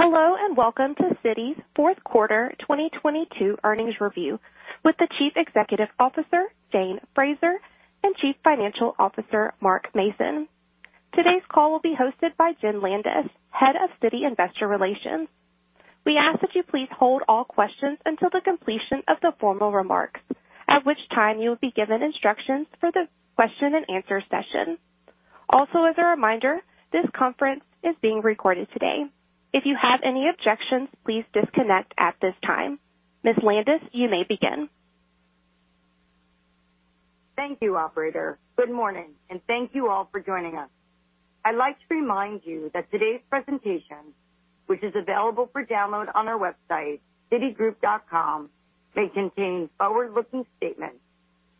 Hello, and welcome to Citi's Fourth Quarter 2022 Earnings Review with the Chief Executive Officer, Jane Fraser, and Chief Financial Officer, Mark Mason. Today's call will be hosted by Jennifer Landis, Head of Citi Investor Relations. We ask that you please hold all questions until the completion of the formal remarks, at which time you will be given instructions for the question and answer session. As a reminder, this conference is being recorded today. If you have any objections, please disconnect at this time. Ms. Landis, you may begin. Thank you, operator. Good morning. Thank you all for joining us. I'd like to remind you that today's presentation, which is available for download on our website, citigroup.com, may contain forward-looking statements,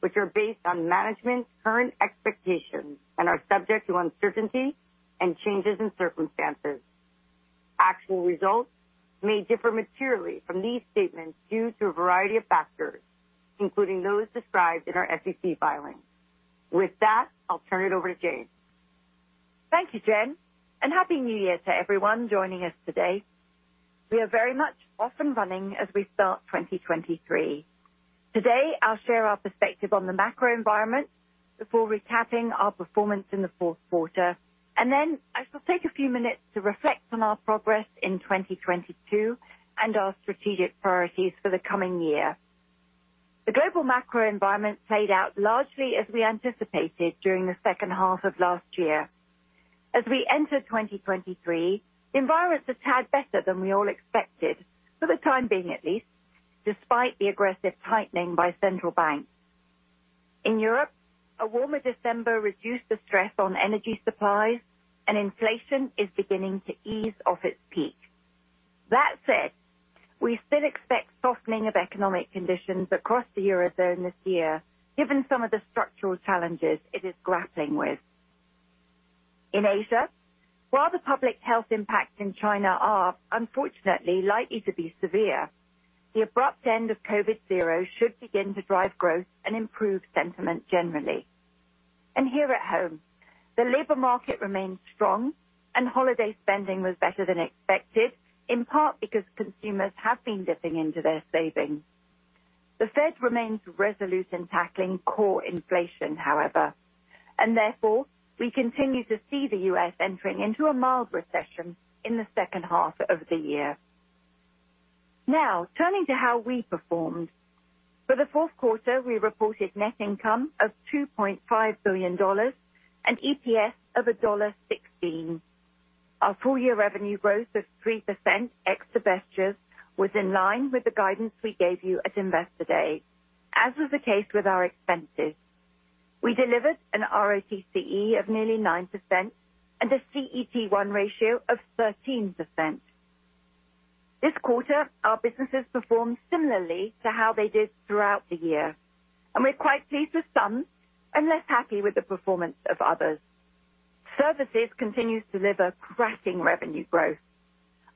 which are based on management's current expectations and are subject to uncertainty and changes in circumstances. Actual results may differ materially from these statements due to a variety of factors, including those described in our SEC filings. With that, I'll turn it over to Jane. Thank you, Jen, and Happy New Year to everyone joining us today. We are very much off and running as we start 2023. Today, I'll share our perspective on the macro environment before recapping our performance in the fourth quarter, and then I shall take a few minutes to reflect on our progress in 2022 and our strategic priorities for the coming year. The global macro environment played out largely as we anticipated during the second half of last year. As we enter 2023, the environment's a tad better than we all expected, for the time being at least, despite the aggressive tightening by central banks. In Europe, a warmer December reduced the stress on energy supplies and inflation is beginning to ease off its peak. That said, we still expect softening of economic conditions across the Eurozone this year, given some of the structural challenges it is grappling with. In Asia, while the public health impacts in China are unfortunately likely to be severe, the abrupt end of COVID zero should begin to drive growth and improve sentiment generally. Here at home, the labor market remains strong and holiday spending was better than expected, in part because consumers have been dipping into their savings. The Fed remains resolute in tackling core inflation, however, and therefore we continue to see the U.S. entering into a mild recession in the second half of the year. Turning to how we performed. For the fourth quarter, we reported net income of $2.5 billion and EPS of $1.16. Our full year revenue growth of 3% ex-divestitures was in line with the guidance we gave you at Investor Day, as was the case with our expenses. We delivered an ROTCE of nearly 9% and a CET1 ratio of 13%. This quarter, our businesses performed similarly to how they did throughout the year, and we're quite pleased with some and less happy with the performance of others. Services continues to deliver cracking revenue growth.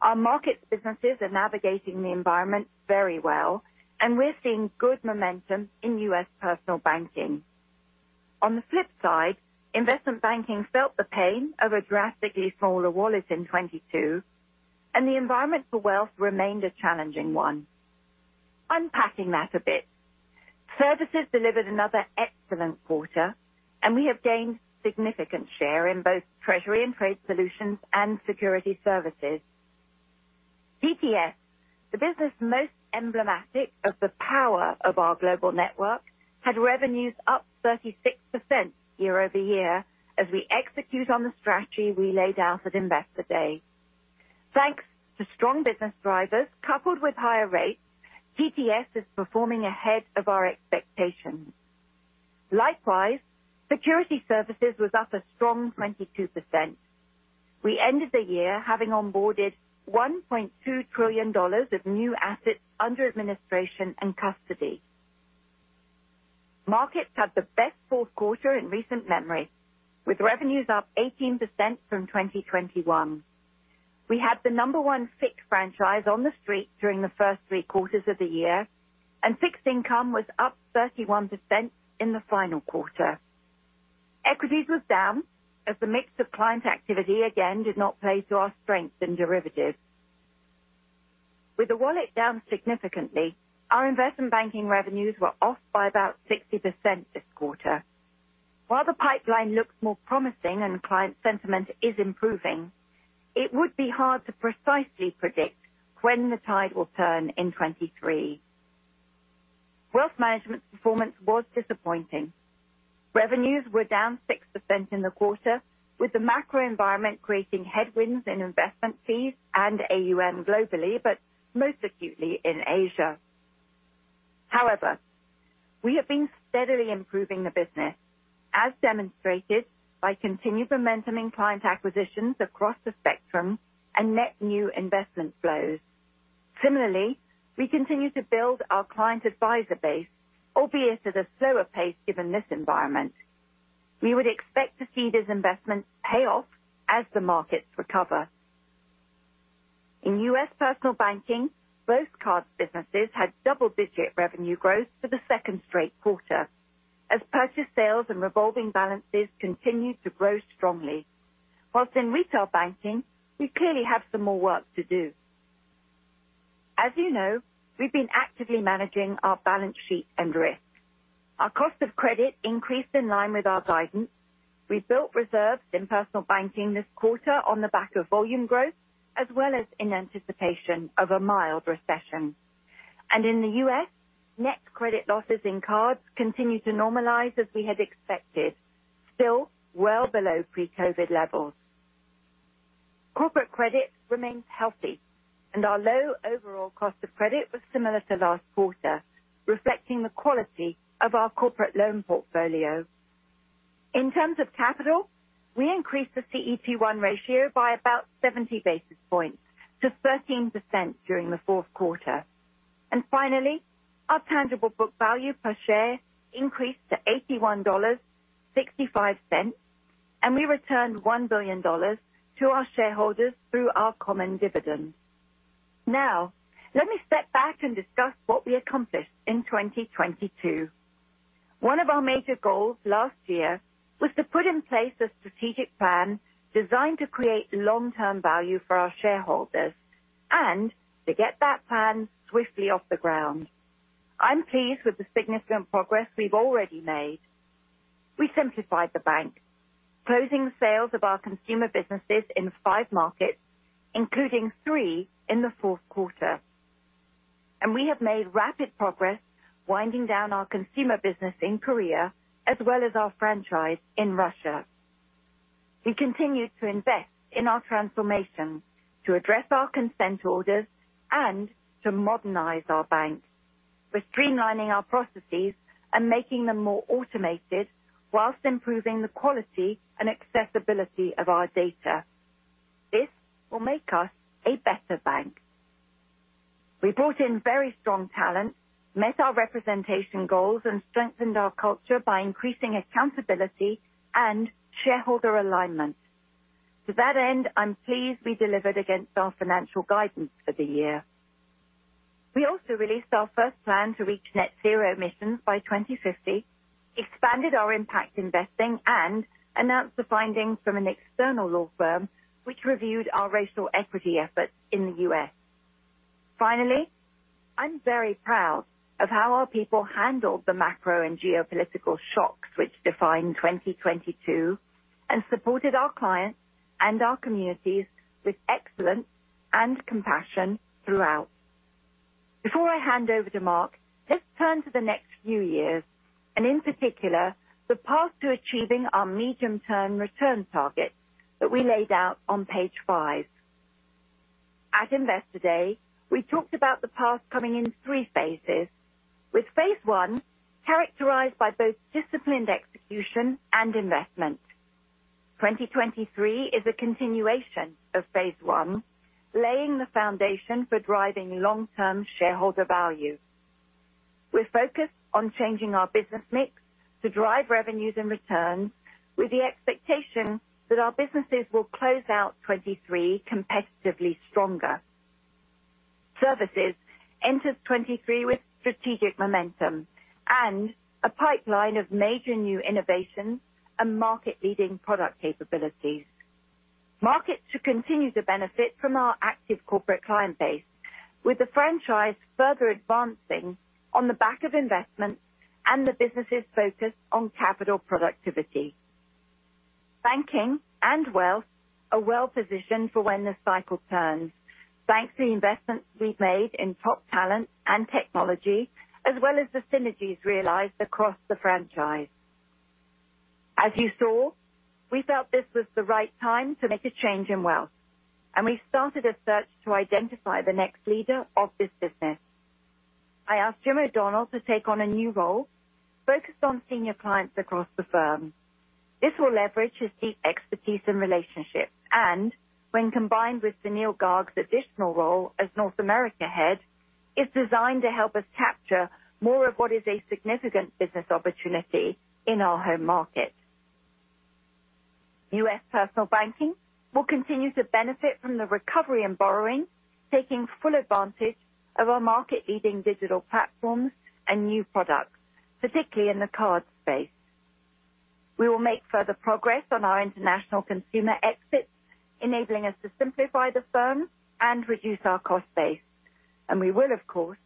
Our Markets businesses are navigating the environment very well, and we're seeing good momentum in U.S. Personal Banking. On the flip side, Investment Banking felt the pain of a drastically smaller wallet in 2022, and the environment for wealth remained a challenging one. Unpacking that a bit. Services delivered another excellent quarter, and we have gained significant share in both Treasury and Trade Solutions and Security Services. TTS, the business most emblematic of the power of our global network, had revenues up 36% year-over-year as we execute on the strategy we laid out at Investor Day. Thanks to strong business drivers coupled with higher rates, TTS is performing ahead of our expectations. Likewise, Security Services was up a strong 22%. We ended the year having onboarded $1.2 trillion of new assets under administration and custody. Markets had the best fourth quarter in recent memory, with revenues up 18% from 2021. We had the number one FICC franchise on the Street during the first three quarters of the year, and fixed income was up 31% in the final quarter. Equities was down as the mix of client activity again did not play to our strength in derivatives. With the wallet down significantly, our Investment Banking revenues were off by about 60% this quarter. The pipeline looks more promising and client sentiment is improving, it would be hard to precisely predict when the tide will turn in 2023. Wealth Management's performance was disappointing. Revenues were down 6% in the quarter, with the macro environment creating headwinds in investment fees and AUM globally, but most acutely in Asia. We have been steadily improving the business, as demonstrated by continued momentum in client acquisitions across the spectrum and net new investment flows. We continue to build our client advisor base, albeit at a slower pace given this environment. We would expect to see this investment pay off as the markets recover. In U.S. Personal Banking, both cards businesses had double-digit revenue growth for the second straight quarter as purchase sales and revolving balances continued to grow strongly. While in retail banking, we clearly have some more work to do. As you know, we've been actively managing our balance sheet and risk. Our cost of credit increased in line with our guidance. We built reserves in personal banking this quarter on the back of volume growth, as well as in anticipation of a mild recession. In the U.S., net credit losses in cards continued to normalize as we had expected, still well below pre-COVID levels. Corporate credit remains healthy. Our low overall cost of credit was similar to last quarter, reflecting the quality of our corporate loan portfolio. In terms of capital, we increased the CET1 ratio by about 70 basis points to 13% during the fourth quarter. Finally, our tangible book value per share increased to $81.65, and we returned $1 billion to our shareholders through our common dividend. Let me step back and discuss what we accomplished in 2022. One of our major goals last year was to put in place a strategic plan designed to create long-term value for our shareholders and to get that plan swiftly off the ground. I'm pleased with the significant progress we've already made. We simplified the bank, closing sales of our consumer businesses in five markets, including three in the fourth quarter. We have made rapid progress winding down our consumer business in Korea as well as our franchise in Russia. We continued to invest in our transformation to address our consent orders and to modernize our bank. We're streamlining our processes and making them more automated while improving the quality and accessibility of our data. This will make us a better bank. We brought in very strong talent, met our representation goals, and strengthened our culture by increasing accountability and shareholder alignment. To that end, I'm pleased we delivered against our financial guidance for the year. We also released our first plan to reach net zero emissions by 2050, expanded our impact investing, and announced the findings from an external law firm which reviewed our racial equity efforts in the U.S. Finally, I'm very proud of how our people handled the macro and geopolitical shocks which defined 2022 and supported our clients and our communities with excellence and compassion throughout. Before I hand over to Mark, let's turn to the next few years and in particular, the path to achieving our medium-term return targets that we laid out on page 5. At Investor Day, we talked about the path coming in three phases, with Phase one characterized by both disciplined execution and investment. 2023 is a continuation of Phase one, laying the foundation for driving long-term shareholder value. We're focused on changing our business mix to drive revenues and returns with the expectation that our businesses will close out 2023 competitively stronger. Services enters 2023 with strategic momentum and a pipeline of major new innovations and market-leading product capabilities. Markets should continue to benefit from our active corporate client base, with the franchise further advancing on the back of investments and the business' focus on capital productivity. Banking and Wealth are well positioned for when the cycle turns, thanks to the investments we've made in top talent and technology, as well as the synergies realized across the franchise. As you saw, we felt this was the right time to make a change in Wealth. We started a search to identify the next leader of this business. I asked Jim O'Donnell to take on a new role focused on senior clients across the firm. This will leverage his deep expertise and relationships. When combined with Sunil Garg's additional role as North America head, is designed to help us capture more of what is a significant business opportunity in our home market. U.S. Personal Banking will continue to benefit from the recovery and borrowing, taking full advantage of our market-leading digital platforms and new products, particularly in the card space. We will make further progress on our international consumer exits, enabling us to simplify the firm and reduce our cost base. We will, of course,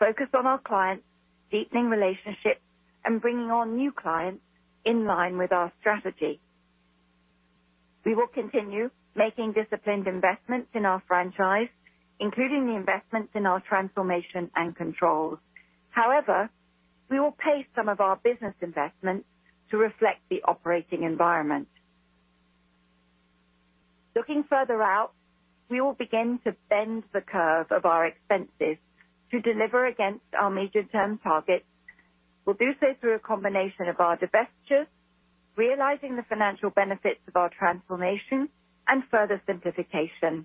focus on our clients, deepening relationships, and bringing on new clients in line with our strategy. We will continue making disciplined investments in our franchise, including the investments in our transformation and controls. However, we will pace some of our business investments to reflect the operating environment. Looking further out, we will begin to bend the curve of our expenses to deliver against our medium-term targets. We'll do so through a combination of our divestitures, realizing the financial benefits of our transformation, and further simplification.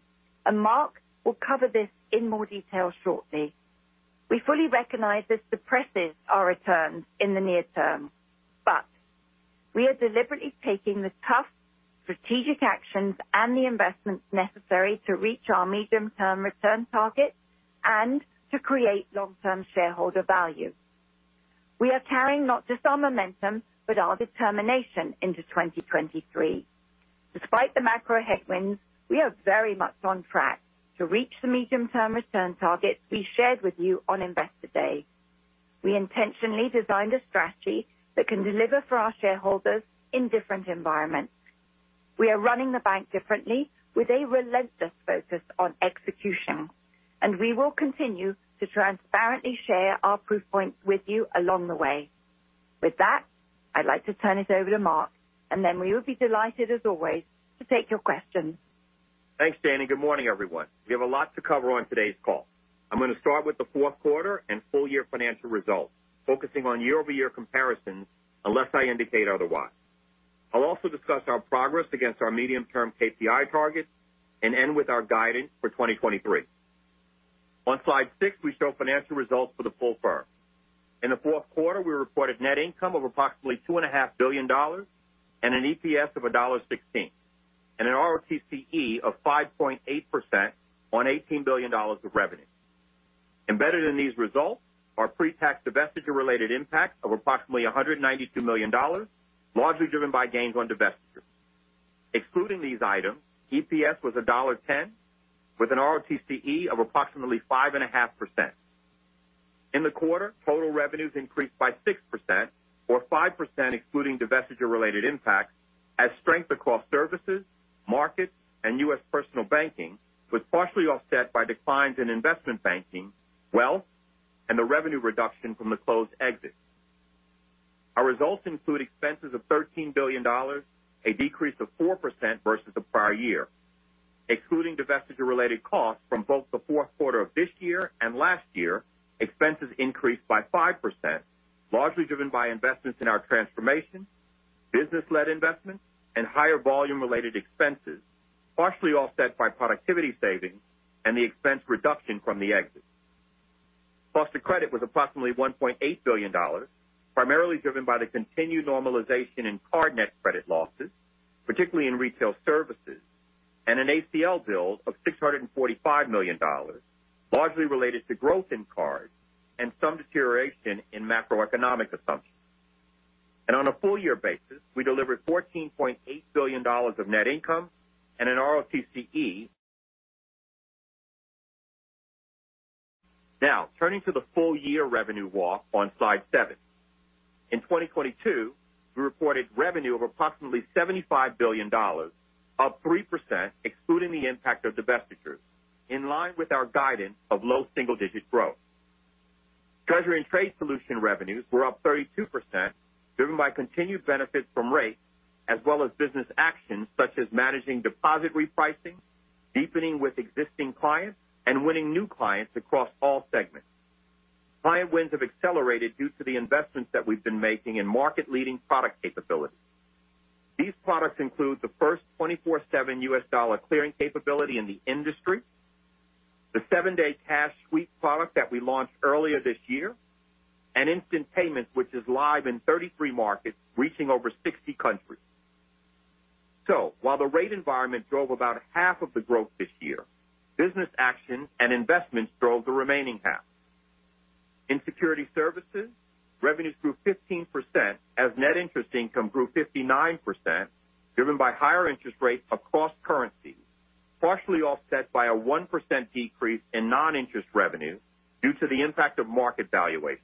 Mark will cover this in more detail shortly. We fully recognize this depresses our returns in the near term. We are deliberately taking the tough strategic actions and the investments necessary to reach our medium-term return targets and to create long-term shareholder value. We are carrying not just our momentum but our determination into 2023. Despite the macro headwinds, we are very much on track to reach the medium-term return targets we shared with you on Investor Day. We intentionally designed a strategy that can deliver for our shareholders in different environments. We are running the bank differently with a relentless focus on execution, and we will continue to transparently share our proof points with you along the way. With that, I'd like to turn it over to Mark, and then we will be delighted as always to take your questions. Thanks, Jane. Good morning, everyone. We have a lot to cover on today's call. I'm going to start with the fourth quarter and full year financial results, focusing on year-over-year comparisons, unless I indicate otherwise. I'll also discuss our progress against our medium-term KPI targets and end with our guidance for 2023. On slide 6, we show financial results for the full firm. In the fourth quarter, we reported net income of approximately $2.5 billion And an EPS of $1.16, and an ROTCE of 5.8% on $18 billion of revenue. Embedded in these results are pre-tax divestiture-related impacts of approximately $192 million, largely driven by gains on divestiture. Excluding these items, EPS was $1.10, with an ROTCE of approximately 5.5%. In the quarter, total revenues increased by 6% or 5% excluding divestiture-related impacts as strength across services, markets, and U.S. Personal Banking was partially offset by declines in Investment Banking, Wealth, and the revenue reduction from the closed exits. Our results include expenses of $13 billion, a decrease of 4% versus the prior year. Excluding divestiture-related costs from both the fourth quarter of this year and last year, expenses increased by 5%, largely driven by investments in our transformation, business-led investments, and higher volume-related expenses, partially offset by productivity savings and the expense reduction from the exits. Cost of credit was approximately $1.8 billion, primarily driven by the continued normalization in card net credit losses, particularly in retail services, and an ACL build of $645 million, largely related to growth in cards and some deterioration in macroeconomic assumptions. On a full year basis, we delivered $14.8 billion of net income and an ROTCE. Turning to the full year revenue walk on slide 7. In 2022, we reported revenue of approximately $75 billion, up 3% excluding the impact of divestitures, in line with our guidance of low single-digit growth. Treasury and Trade Solutions revenues were up 32%, driven by continued benefits from rates, as well as business actions such as managing deposit repricing, deepening with existing clients, and winning new clients across all segments. Client wins have accelerated due to the investments that we've been making in market-leading product capabilities. These products include the first 24/7 U.S. dollar clearing capability in the industry, the seven-day cash sweep product that we launched earlier this year, and instant payments, which is live in 33 markets, reaching over 60 countries. While the rate environment drove about half of the growth this year, business actions and investments drove the remaining half. In Security Services, revenues grew 15% as net interest income grew 59%, driven by higher interest rates across currencies, partially offset by a 1% decrease in non-interest revenue due to the impact of market valuations.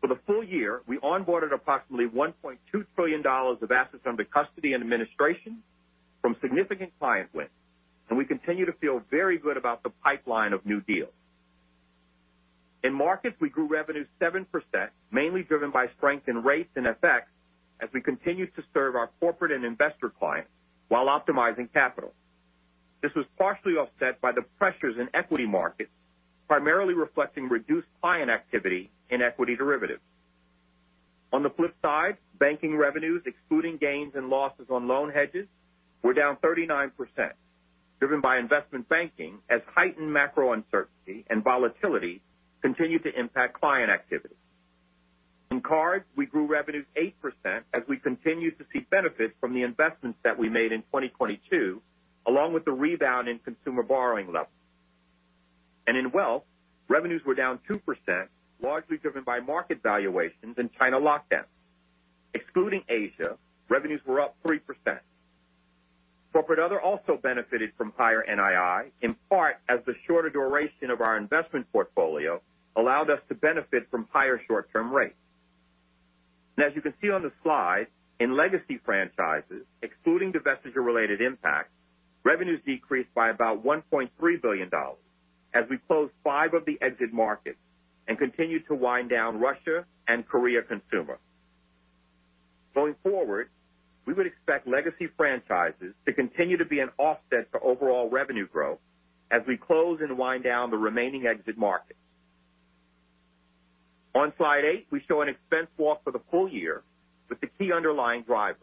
For the full year, we onboarded approximately $1.2 trillion of assets under custody and administration from significant client wins, and we continue to feel very good about the pipeline of new deals. In markets, we grew revenues 7%, mainly driven by strength in rates and FX as we continued to serve our corporate and investor clients while optimizing capital. This was partially offset by the pressures in equity markets, primarily reflecting reduced client activity in equity derivatives. On the flip side, banking revenues, excluding gains and losses on loan hedges, were down 39%, driven by Investment Banking as heightened macro uncertainty and volatility continued to impact client activity. In cards, we grew revenues 8% as we continued to see benefits from the investments that we made in 2022, along with the rebound in consumer borrowing levels. In Wealth, revenues were down 2%, largely driven by market valuations and China lockdowns. Excluding Asia, revenues were up 3%. Corporate/Other also benefited from higher NII, in part as the shorter duration of our investment portfolio allowed us to benefit from higher short-term rates. As you can see on the slide, in Legacy Franchises, excluding divestiture-related impacts, revenues decreased by about $1.3 billion as we closed 5 of the exit markets and continued to wind down Russia and Korea Consumer. Going forward, we would expect Legacy Franchises to continue to be an offset to overall revenue growth as we close and wind down the remaining exit markets. On slide 8, we show an expense walk for the full year with the key underlying drivers.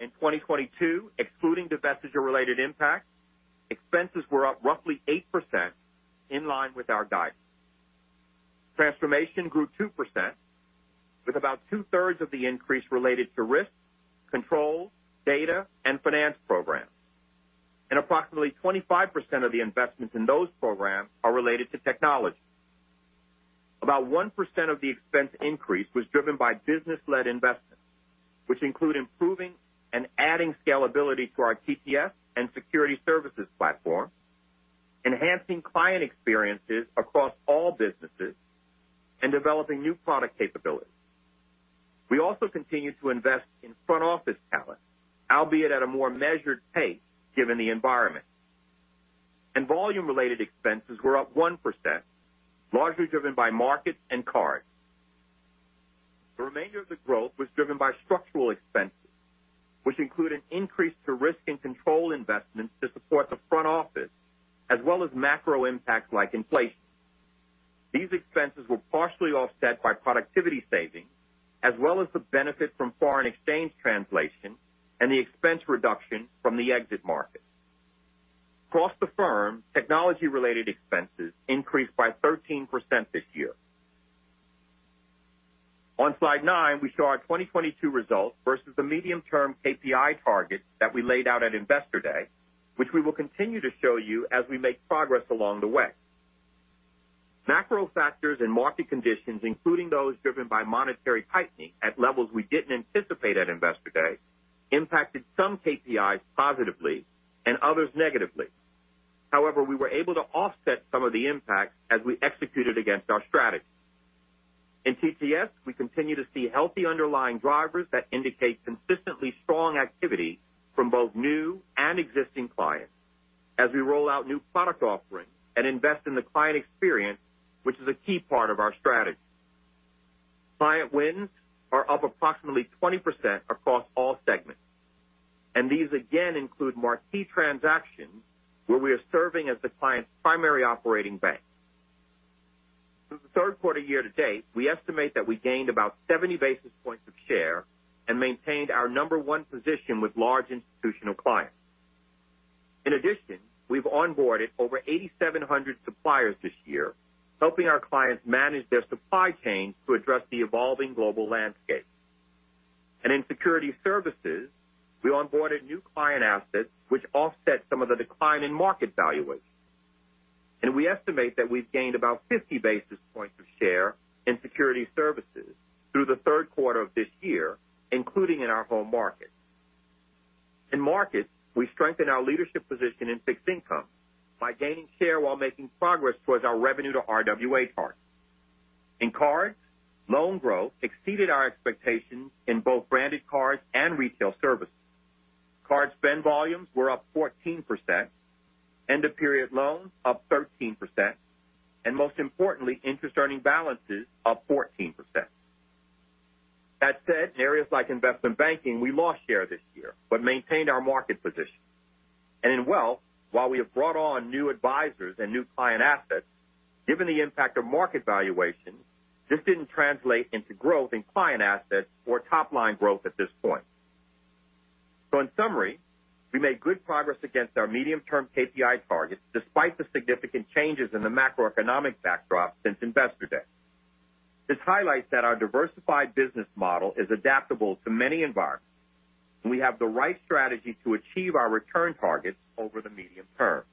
In 2022, excluding divestiture-related impacts, expenses were up roughly 8% in line with our guidance. Transformation grew 2% with about two-thirds of the increase related to risk, control, data, and finance programs. Approximately 25% of the investments in those programs are related to technology. About 1% of the expense increase was driven by business-led investments, which include improving and adding scalability to our TTS and Security Services platform, enhancing client experiences across all businesses, and developing new product capabilities. We also continue to invest in front office talent, albeit at a more measured pace given the environment. Volume-related expenses were up 1%, largely driven by markets and cards. The remainder of the growth was driven by structural expenses, which include an increase to risk and control investments to support the front office as well as macro impacts like inflation. These expenses were partially offset by productivity savings as well as the benefit from foreign exchange translation and the expense reduction from the exit markets. Across the firm, technology-related expenses increased by 13% this year. On Slide 9, we show our 2022 results versus the medium-term KPI targets that we laid out at Investor Day, which we will continue to show you as we make progress along the way. Macro factors and market conditions, including those driven by monetary tightening at levels we didn't anticipate at Investor Day, impacted some KPIs positively and others negatively. We were able to offset some of the impacts as we executed against our strategy. In TTS, we continue to see healthy underlying drivers that indicate consistently strong activity from both new and existing clients as we roll out new product offerings and invest in the client experience, which is a key part of our strategy. Client wins are up approximately 20% across all segments, and these again include marquee transactions where we are serving as the client's primary operating bank. Through the third quarter year to date, we estimate that we gained about 70 basis points of share and maintained our number one position with large institutional clients. In addition, we've onboarded over 8,700 suppliers this year, helping our clients manage their supply chain to address the evolving global landscape. In Security Services, we onboarded client assets which offset some of the decline in market valuations. We estimate that we've gained about 50 basis points of share in Security Services through the third quarter of this year, including in our home markets. In markets, we strengthen our leadership position in fixed income by gaining share while making progress towards our revenue to RWA target. In cards, loan growth exceeded our expectations in both branded cards and retail services. Card spend volumes were up 14%, end-of-period loans up 13%, and most importantly, interest earning balances up 14%. That said, in areas like Investment Banking, we lost share this year, but maintained our market position. In Wealth, while we have brought on new advisors and client assets, given the impact of market valuations, this didn't translate into growth client assets or top-line growth at this point. In summary, we made good progress against our medium-term KPI targets despite the significant changes in the macroeconomic backdrop since Investor Day. This highlights that our diversified business model is adaptable to many environments, and we have the right strategy to achieve our return targets over the medium term.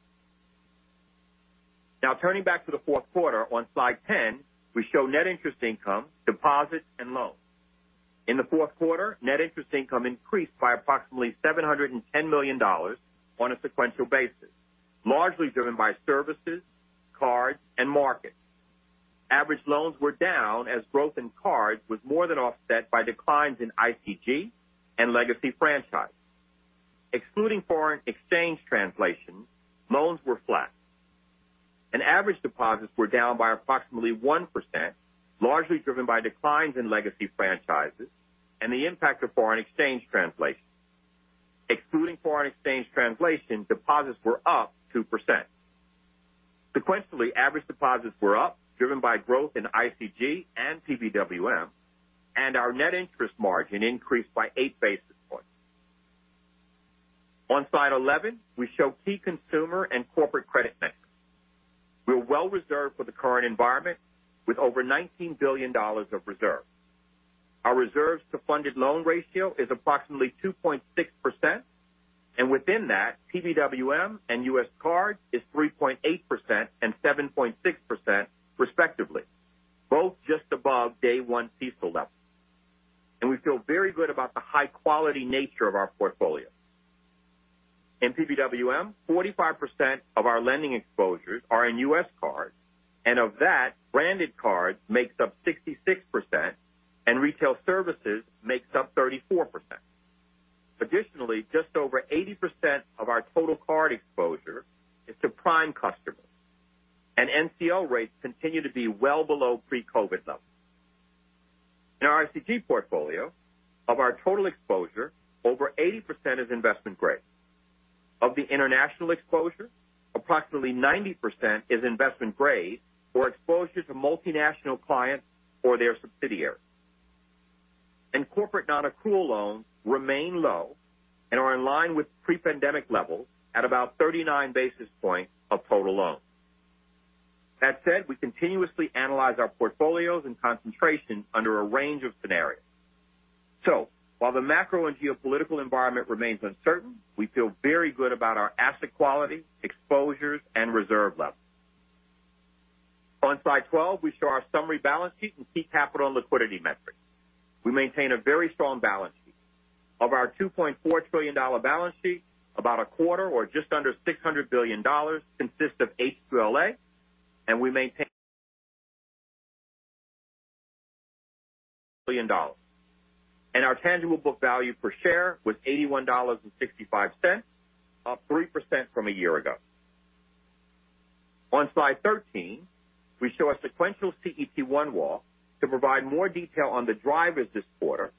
Turning back to the fourth quarter on slide 10, we show net interest income, deposits, and loans. In the fourth quarter, net interest income increased by approximately $710 million on a sequential basis, largely driven by services, cards, and markets. Average loans were down as growth in cards was more than offset by declines in ICG and Legacy Franchises. Excluding foreign exchange translation, loans were flat, and average deposits were down by approximately 1%, largely driven by declines in Legacy Franchises and the impact of foreign exchange translation. Excluding foreign exchange translation, deposits were up 2%. Sequentially, average deposits were up, driven by growth in ICG and PBWM, and our net interest margin increased by 8 basis points. On slide 11, we show key consumer and corporate credit metrics. We're well reserved for the current environment with over $19 billion of reserves. Our reserves to funded loan ratio is approximately 2.6%. Within that, PBWM and U.S. cards is 3.8% and 7.6% respectively, both just above day one CECL levels. We feel very good about the high-quality nature of our portfolio. In PBWM, 45% of our lending exposures are in U.S. cards, and of that, branded cards makes up 66% and retail services makes up 34%. Additionally, just over 80% of our total card exposure is to prime customers, and NCL rates continue to be well below pre-COVID levels. In our ICG portfolio, of our total exposure, over 80% is investment grade. Of the international exposure, approximately 90% is investment grade or exposure to multinational clients or their subsidiaries. Corporate nonaccrual loans remain low and are in line with pre-pandemic levels at about 39 basis points of total loans. That said, we continuously analyze our portfolios and concentration under a range of scenarios. While the macro and geopolitical environment remains uncertain, we feel very good about our asset quality, exposures, and reserve levels. On slide 12, we show our summary balance sheet and key capital and liquidity metrics. We maintain a very strong balance sheet. Of our $2.4 trillion balance sheet, about a quarter or just under $600 billion consists of HQLA, and we maintain billion dollars. Our tangible book value per share was $81.65, up 3% from a year ago. On slide 13, we show a sequential CET1 walk to provide more detail on the drivers this quarter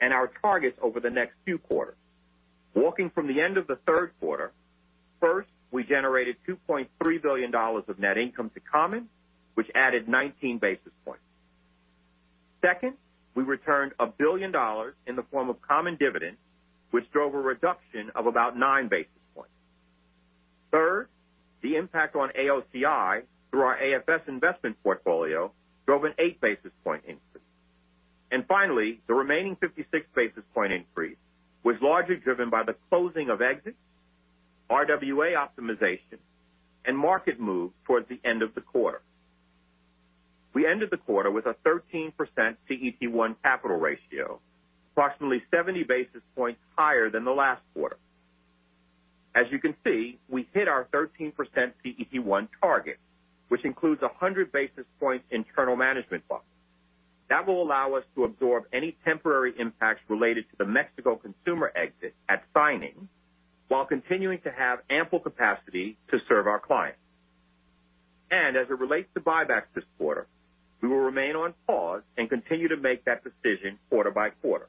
and our targets over the next few quarters. Walking from the end of the third quarter, first, we generated $2.3 billion of net income to common, which added 19 basis points. Second, we returned $1 billion in the form of common dividends, which drove a reduction of about 9 basis points. Third, the impact on AOCI through our AFS investment portfolio drove an 8 basis point increase. Finally, the remaining 56 basis point increase was largely driven by the closing of exits, RWA optimization, and market moves towards the end of the quarter. We ended the quarter with a 13% CET1 capital ratio, approximately 70 basis points higher than the last quarter. As you can see, we hit our 13% CET1 target, which includes 100 basis points internal management buffer. That will allow us to absorb any temporary impacts related to the Mexico consumer exit at signing while continuing to have ample capacity to serve our clients. As it relates to buybacks this quarter, we will remain on pause and continue to make that decision quarter by quarter.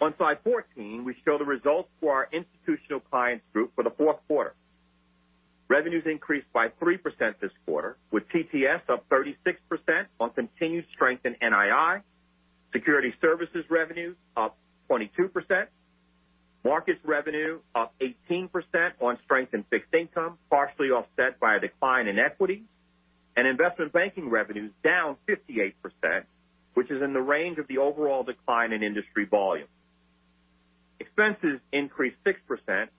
On slide 14, we show the results for our Institutional Clients Group for the fourth quarter. Revenues increased by 3% this quarter, with TTS up 36% on continued strength in NII. Security Services revenues up 22%. Markets revenue up 18% on strength in fixed income, partially offset by a decline in equity. Investment Banking revenues down 58%, which is in the range of the overall decline in industry volume. Expenses increased 6%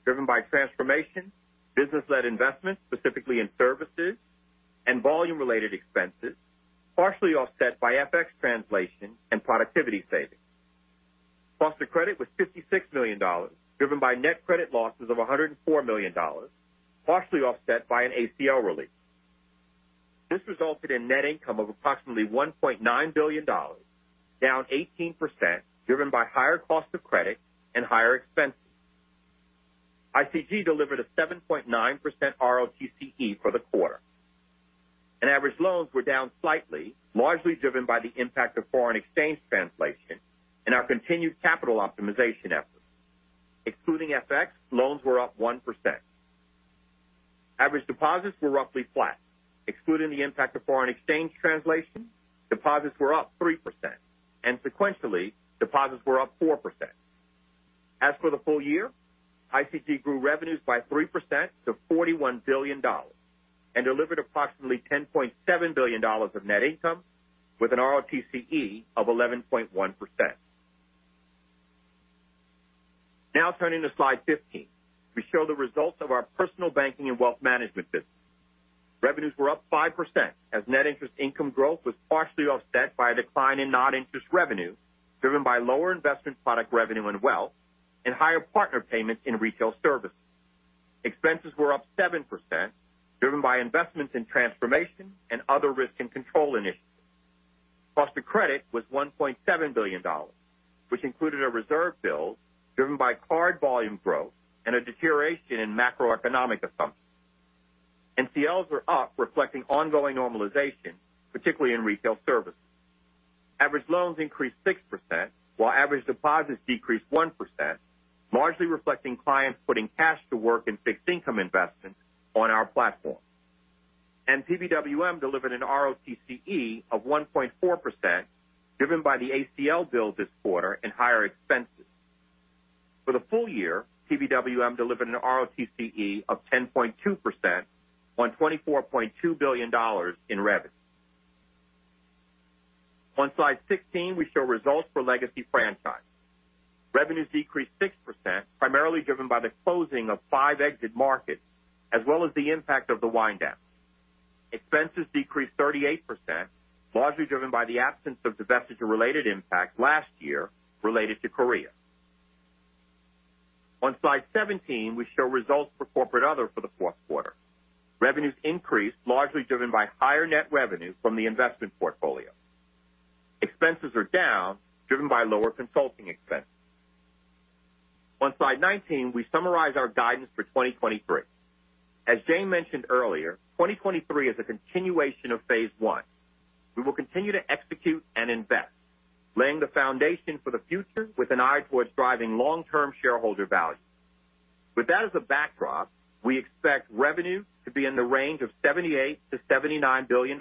driven by transformation, business-led investments, specifically in services, and volume-related expenses, partially offset by FX translation and productivity savings. Cost of credit was $56 million, driven by net credit losses of $104 million, partially offset by an ACL release. This resulted in net income of approximately $1.9 billion, down 18% driven by higher cost of credit and higher expenses. ICG delivered a 7.9% ROTCE for the quarter. Net average loans were down slightly, largely driven by the impact of foreign exchange translation and our continued capital optimization efforts. Excluding FX, loans were up 1%. Average deposits were roughly flat. Excluding the impact of foreign exchange translation, deposits were up 3%, and sequentially, deposits were up 4%. As for the full year, ICG grew revenues by 3% to $41 billion and delivered approximately $10.7 billion of net income with an ROTCE of 11.1%. Now turning to slide 15. We show the results of our Personal Banking and Wealth Management business. Revenues were up 5% as net interest income growth was partially offset by a decline in non-interest revenue driven by lower investment product revenue and wealth and higher partner payments in retail services. Expenses were up 7%, driven by investments in transformation and other risk and control initiatives. Cost of credit was $1.7 billion, which included a reserve build driven by card volume growth and a deterioration in macroeconomic assumptions. NCLs were up, reflecting ongoing normalization, particularly in retail services. Average loans increased 6%, while average deposits decreased 1%, largely reflecting clients putting cash to work in fixed income investments on our platform. PBWM delivered an ROTCE of 1.4% driven by the ACL build this quarter and higher expenses. For the full year, PBWM delivered an ROTCE of 10.2% on $24.2 billion in revenue. On slide 16, we show results for Legacy Franchises. Revenues decreased 6%, primarily driven by the closing of 5 exit markets as well as the impact of the wind-downs. Expenses decreased 38%, largely driven by the absence of divestiture-related impacts last year related to Korea. On slide 17, we show results for Corporate/Other for the fourth quarter. Revenues increased largely driven by higher net revenue from the investment portfolio. Expenses are down driven by lower consulting expenses. On slide 19, we summarize our guidance for 2023. As Jane mentioned earlier, 2023 is a continuation of phase one. We will continue to execute and invest, laying the foundation for the future with an eye towards driving long-term shareholder value. With that as a backdrop, we expect revenue to be in the range of $78 billion-$79 billion,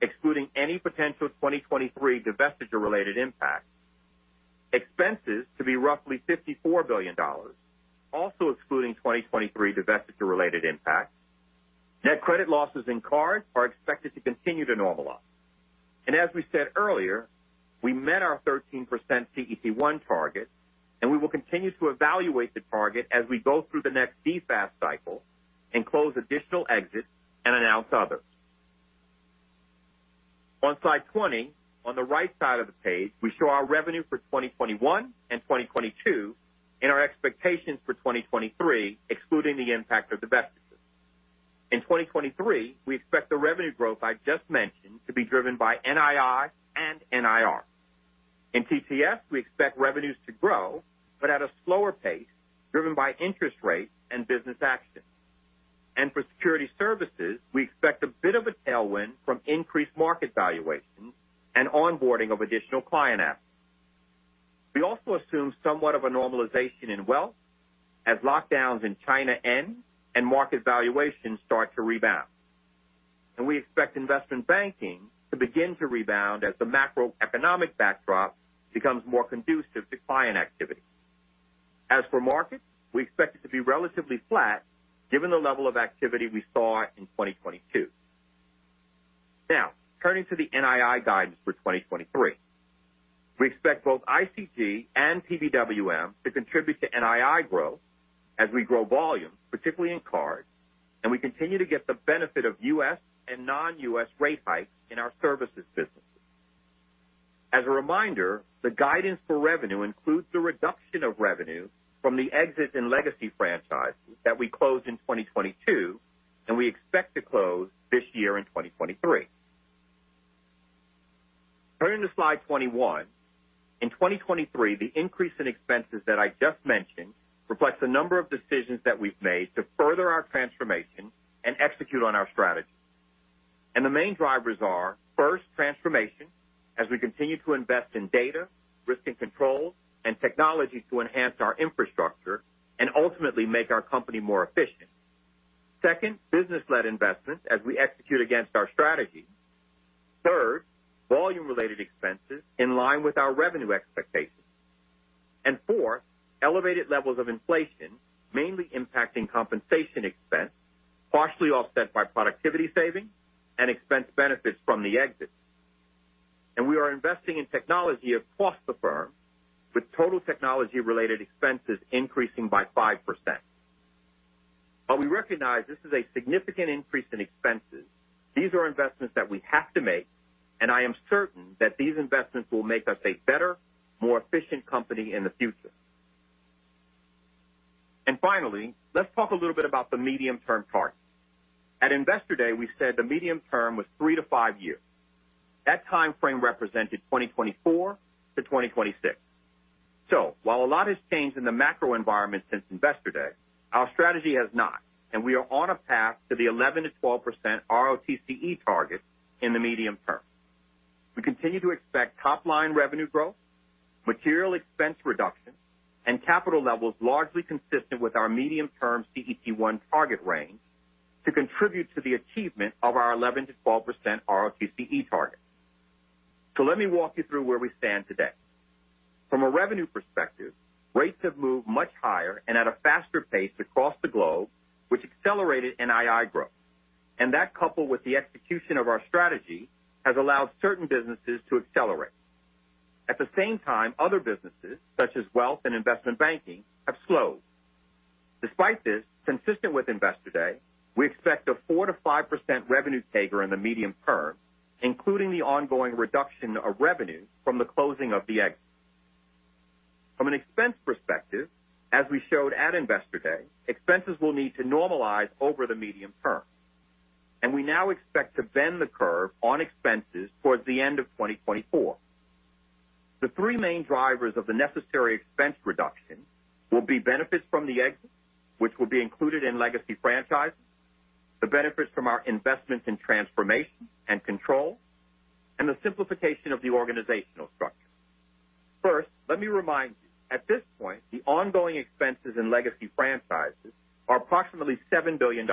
excluding any potential 2023 divestiture-related impact. Expenses to be roughly $54 billion, also excluding 2023 divestiture-related impact. Net credit losses in cards are expected to continue to normalize. As we said earlier, we met our 13% CET1 target. We will continue to evaluate the target as we go through the next CCAR cycle and close additional exits and announce others. On slide 20, on the right side of the page, we show our revenue for 2021 and 2022 and our expectations for 2023, excluding the impact of divestitures. In 2023, we expect the revenue growth I just mentioned to be driven by NII and NIR. In TTS, we expect revenues to grow, but at a slower pace, driven by interest rates and business actions. For Security Services, we expect a bit of a tailwind from increased market valuations and onboarding of additional client assets. we also assume somewhat of a normalization in Wealth as lockdowns in China end and market valuations start to rebound. We expect Investment Banking to begin to rebound as the macroeconomic backdrop becomes more conducive to client activity. As for markets, we expect it to be relatively flat given the level of activity we saw in 2022. Now, turning to the NII guidance for 2023. We expect both ICG and PBWM to contribute to NII growth as we grow volume, particularly in cards, and we continue to get the benefit of U.S. and non-U.S. rate hikes in our services businesses. As a reminder, the guidance for revenue includes the reduction of revenue from the exit in Legacy Franchises that we closed in 2022 and we expect to close this year in 2023. Turning to slide 21. In 2023, the increase in expenses that I just mentioned reflects a number of decisions that we've made to further our transformation and execute on our strategy. The main drivers are, first, transformation as we continue to invest in data, risk and control, and technology to enhance our infrastructure and ultimately make our company more efficient. Second, business-led investments as we execute against our strategy. Third, volume-related expenses in line with our revenue expectations. Fourth, elevated levels of inflation, mainly impacting compensation expense, partially offset by productivity savings and expense benefits from the exits. We are investing in technology across the firm with total technology-related expenses increasing by 5%. While we recognize this is a significant increase in expenses, these are investments that we have to make, and I am certain that these investments will make us a better, more efficient company in the future. Finally, let's talk a little bit about the medium-term targets. At Investor Day, we said the medium term was three to five years. That time frame represented 2024-2026. While a lot has changed in the macro environment since Investor Day, our strategy has not, and we are on a path to the 11%-12% ROTCE target in the medium term. We continue to expect top-line revenue growth, material expense reduction, and capital levels largely consistent with our medium-term CET1 target range to contribute to the achievement of our 11%-12% ROTCE target. Let me walk you through where we stand today. From a revenue perspective, rates have moved much higher and at a faster pace across the globe, which accelerated NII growth. That, coupled with the execution of our strategy, has allowed certain businesses to accelerate. At the same time, other businesses, such as Wealth and Investment Banking, have slowed. Despite this, consistent with Investor Day, we expect a 4%-5% revenue CAGR in the medium term, including the ongoing reduction of revenue from the closing of the exits. From an expense perspective, as we showed at Investor Day, expenses will need to normalize over the medium term, and we now expect to bend the curve on expenses towards the end of 2024. The three main drivers of the necessary expense reduction will be benefits from the exits, which will be included in Legacy Franchises, the benefits from our investments in transformation and control, and the simplification of the organizational structure. First, let me remind you, at this point, the ongoing expenses in Legacy Franchises are approximately $7 billion.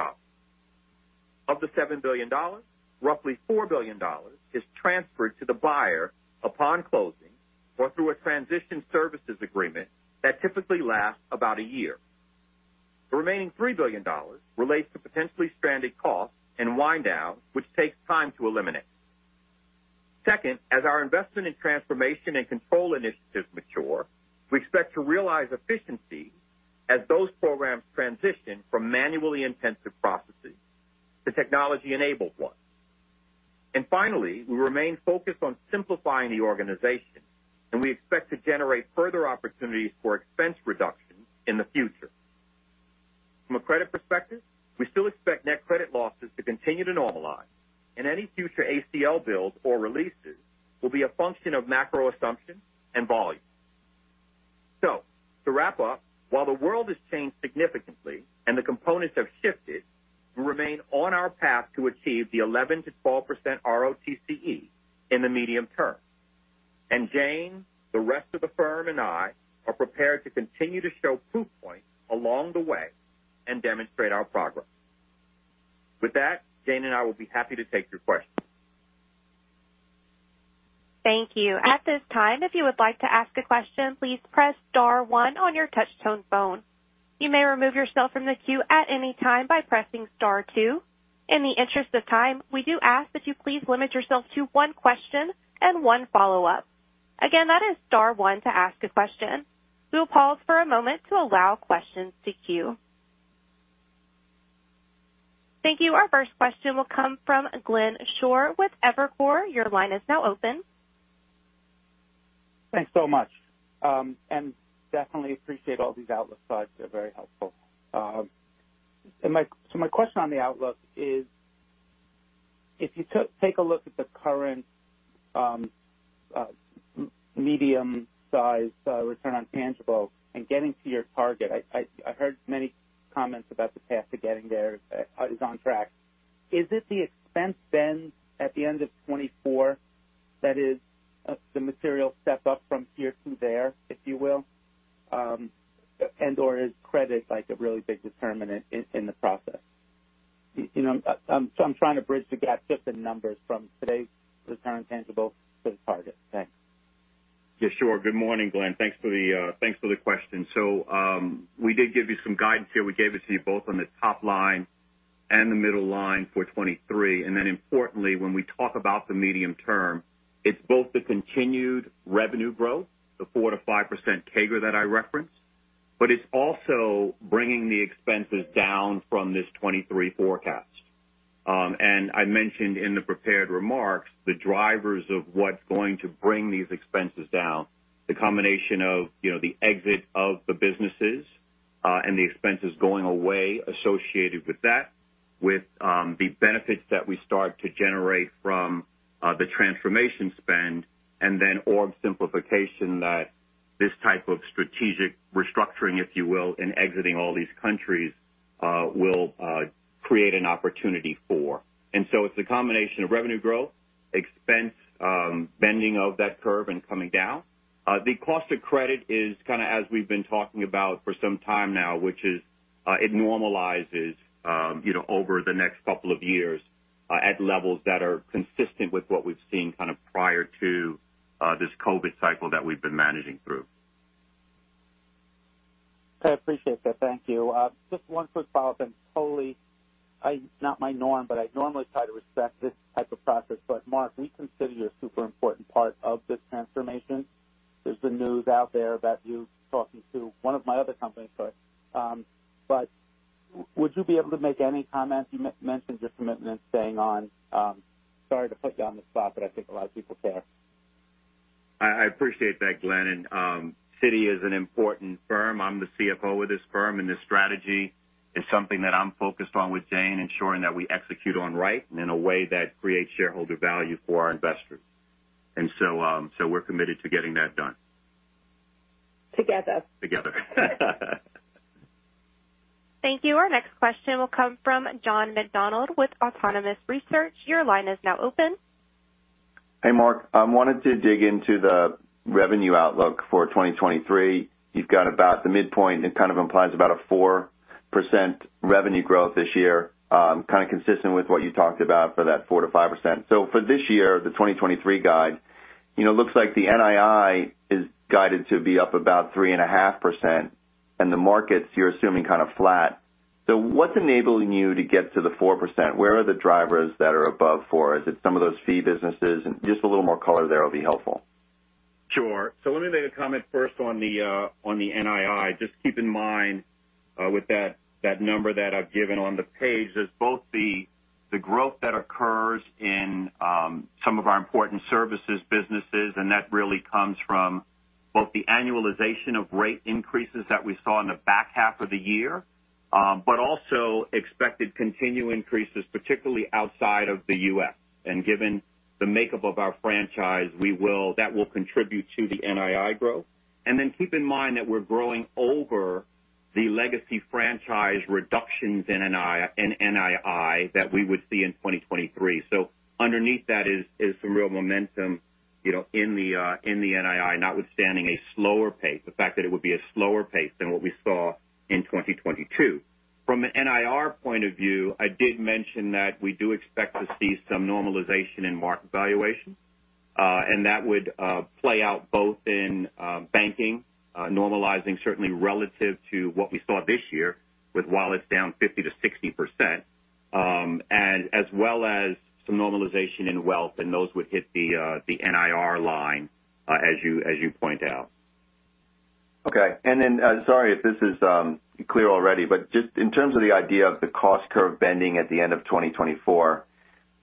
Of the $7 billion, roughly $4 billion is transferred to the buyer upon closing or through a transition services agreement that typically lasts about a year. The remaining $3 billion relates to potentially stranded costs and wind down, which takes time to eliminate. Second, as our investment in transformation and control initiatives mature, we expect to realize efficiencies as those programs transition from manually intensive processes to technology-enabled ones. Finally, we remain focused on simplifying the organization, and we expect to generate further opportunities for expense reduction in the future. From a credit perspective, we still expect net credit losses to continue to normalize, and any future ACL builds or releases will be a function of macro assumptions and volume. To wrap up, while the world has changed significantly and the components have shifted, we remain on our path to achieve the 11%-12% ROTCE in the medium term. Jane, the rest of the firm, and I are prepared to continue to show proof points along the way and demonstrate our progress. With that, Jane and I will be happy to take your questions. Thank you. At this time, if you would like to ask a question, please press star one on your touch-tone phone. You may remove yourself from the queue at any time by pressing star two. In the interest of time, we do ask that you please limit yourself to one question and one follow-up. Again, that is star one to ask a question. We will pause for a moment to allow questions to queue. Thank you. Our first question will come from Glenn Schorr with Evercore. Your line is now open. Thanks so much. Definitely appreciate all these outlook slides. They're very helpful. My question on the outlook is, if you take a look at the current medium-sized return on tangible and getting to your target. I heard many comments about the path to getting there is on track. Is it the expense then at the end of 2024 that is the material step up from here to there, if you will? Or is credit like a really big determinant in the process? You know, I'm trying to bridge the gap, just the numbers from today's return on tangible to the target. Thanks. Yeah, sure. Good morning, Glenn. Thanks for the question. We did give you some guidance here. We gave it to you both on the top-line and the middle line for 23. Importantly, when we talk about the medium term, it's both the continued revenue growth, the 4%-5% CAGR that I referenced, but it's also bringing the expenses down from this 23 forecast. I mentioned in the prepared remarks the drivers of what's going to bring these expenses down, the combination of, you know, the exit of the businesses, and the expenses going away associated with that, with the benefits that we start to generate from the transformation spend and then org simplification that this type of strategic restructuring, if you will, in exiting all these countries, will create an opportunity for. It's a combination of revenue growth, expense, bending of that curve and coming down. The cost of credit is kind of as we've been talking about for some time now, which is, it normalizes, you know, over the next couple of years, at levels that are consistent with what we've seen kind of prior to this COVID cycle that we've been managing through. I appreciate that. Thank you. Just one quick follow-up and totally, not my norm, but I normally try to respect this type of process. Mark, we consider you a super important part of this transformation. There's been news out there about you talking to one of my other companies. Would you be able to make any comments? You mentioned your commitment staying on. Sorry to put you on the spot, but I think a lot of people care. I appreciate that, Glenn Schorr. Citi is an important firm. I'm the CFO of this firm, and this strategy is something that I'm focused on with Jane Fraser, ensuring that we execute on right and in a way that creates shareholder value for our investors. We're committed to getting that done. Together. Together. Thank you. Our next question will come from John McDonald with Autonomous Research. Your line is now open. Hey, Mark. I wanted to dig into the revenue outlook for 2023. You've got about the midpoint. It kind of implies about a 4% revenue growth this year, kind of consistent with what you talked about for that 4%-5%. For this year, the 2023 guide, you know, looks like the NII is guided to be up about 3.5%. The markets, you're assuming kind of flat. What's enabling you to get to the 4%? Where are the drivers that are above four? Is it some of those fee businesses? Just a little more color there will be helpful. Sure. Let me make a comment first on the NII. Just keep in mind, with that number that I've given on the page is both the growth that occurs in some of our important services businesses, and that really comes from both the annualization of rate increases that we saw in the back half of the year, but also expected continued increases, particularly outside of the U.S. Given the makeup of our franchise, that will contribute to the NII growth. Keep in mind that we're growing over the Legacy Franchises reductions in NII that we would see in 2023. Underneath that is some real momentum, you know, in the NII, notwithstanding a slower pace, the fact that it would be a slower pace than what we saw in 2022. From an NIR point of view, I did mention that we do expect to see some normalization in market valuations. And that would play out both in banking, normalizing certainly relative to what we saw this year with wallets down 50%-60%, and as well as some normalization in Wealth, and those would hit the NIR line, as you point out. Okay. Sorry if this is clear already, but just in terms of the idea of the cost curve bending at the end of 2024,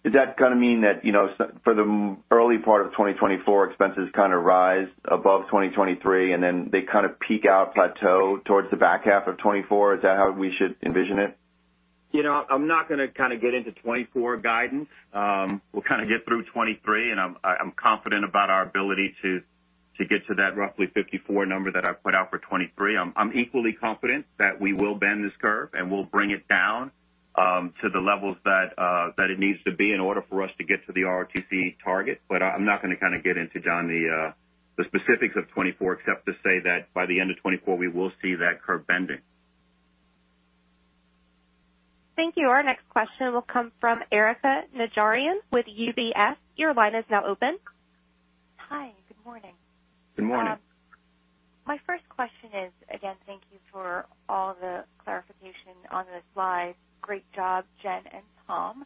does that kind of mean that, you know, for the early part of 2024, expenses kind of rise above 2023, and then they kind of peak out, plateau towards the back half of 2024? Is that how we should envision it? You know, I'm not gonna kind of get into 2024 guidance. We'll kind of get through 2023, and I'm confident about our ability to get to that roughly 54 number that I put out for 2023. I'm equally confident that we will bend this curve, and we'll bring it down to the levels that it needs to be in order for us to get to the ROTCE target. I'm not gonna kind of get into, John, the specifics of 2024, except to say that by the end of 2024, we will see that curve bending. Thank you. Our next question will come from Erika Najarian with UBS. Your line is now open. Hi. Good morning. Good morning. My first question is, again, thank you for all the clarification on the slides. Great job, Jen and Tom,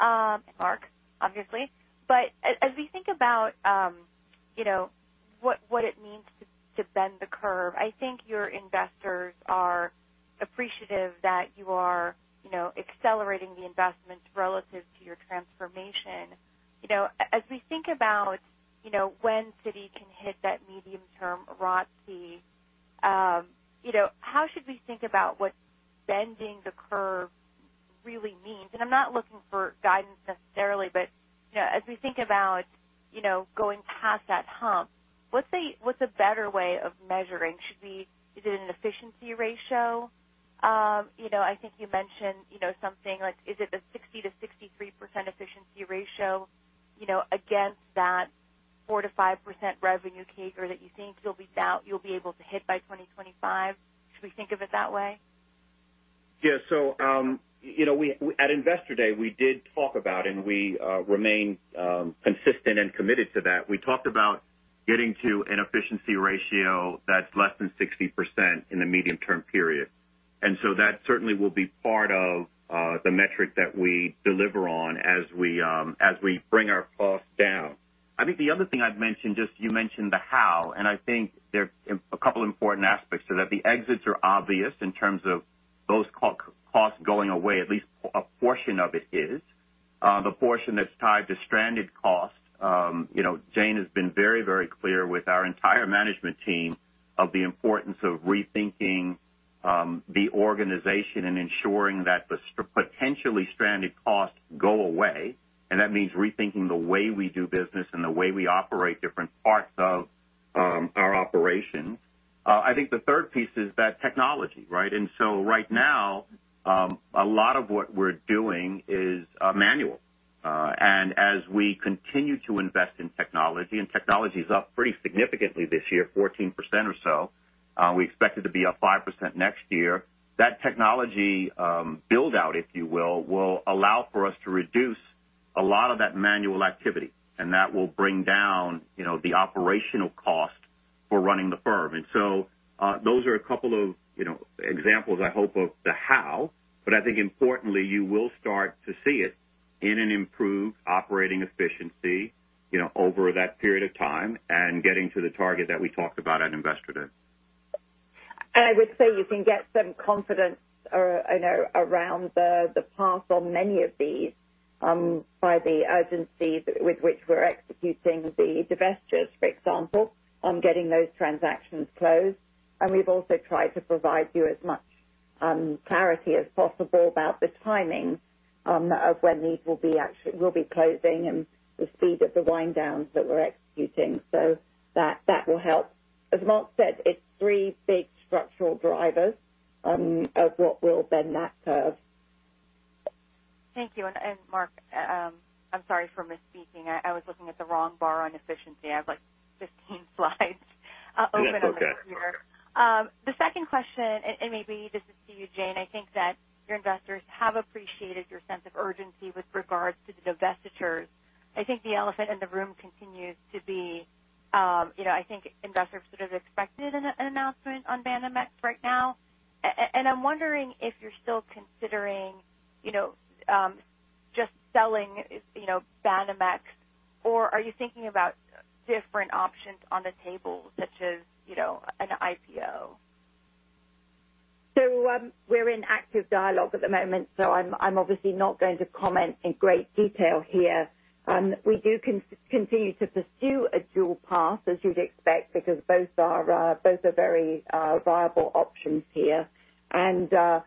Mark, obviously. As we think about, you know, what it means to bend the curve, I think your investors are appreciative that you are, you know, accelerating the investments relative to your transformation. As we think about, you know, when Citi can hit that medium-term ROTCE, you know, how should we think about what bending the curve really means? I'm not looking for guidance necessarily. As we think about, you know, going past that hump, what's a better way of measuring? Is it an efficiency ratio? You know, I think you mentioned, you know, something like, is it the 60%-63% efficiency ratio, you know, against that 4%-5% revenue CAGR that you think you'll be able to hit by 2025? Should we think of it that way? Yeah. You know, we at Investor Day, we did talk about, and we remain consistent and committed to that. We talked about getting to an efficiency ratio that's less than 60% in the medium-term period. That certainly will be part of the metric that we deliver on as we bring our costs down. I think the other thing I'd mention, just you mentioned the how, and I think there are a couple important aspects to that. The exits are obvious in terms of those costs going away, at least a portion of it is. The portion that's tied to stranded costs, you know, Jane has been very clear with our entire management team of the importance of rethinking the organization and ensuring that the potentially stranded costs go away. That means rethinking the way we do business and the way we operate different parts of our operations. I think the third piece is that technology, right? Right now, a lot of what we're doing is manual. As we continue to invest in technology, and technology is up pretty significantly this year, 14% or so, we expect it to be up 5% next year. That technology build out, if you will allow for us to reduce a lot of that manual activity, and that will bring down, you know, the operational cost for running the firm. Those are a couple of, you know, examples I hope of the how. I think importantly, you will start to see it in an improved operating efficiency, you know, over that period of time and getting to the target that we talked about at Investor Day. I would say you can get some confidence, you know, around the path on many of these, by the urgency with which we're executing the divestitures, for example, on getting those transactions closed. We've also tried to provide you as much clarity as possible about the timing of when these will be actually closing and the speed of the wind downs that we're executing. That will help. As Mark said, it's three big structural drivers of what will bend that curve. Thank you. Mark, I'm sorry for misspeaking. I was looking at the wrong bar on efficiency. I have like 15 slides open over here. Yeah. Okay. The second question, and maybe this is to you, Jane, I think that your investors have appreciated your sense of urgency with regards to the divestitures. I think the elephant in the room continues to be, you know, I think investors sort of expected an announcement on Banamex right now. I'm wondering if you're still considering, you know, just selling, you know, Banamex, or are you thinking about different options on the table, such as, you know, an IPO? We're in active dialogue at the moment, so I'm obviously not going to comment in great detail here. We do continue to pursue a dual path, as you'd expect, because both are very viable options here. You know,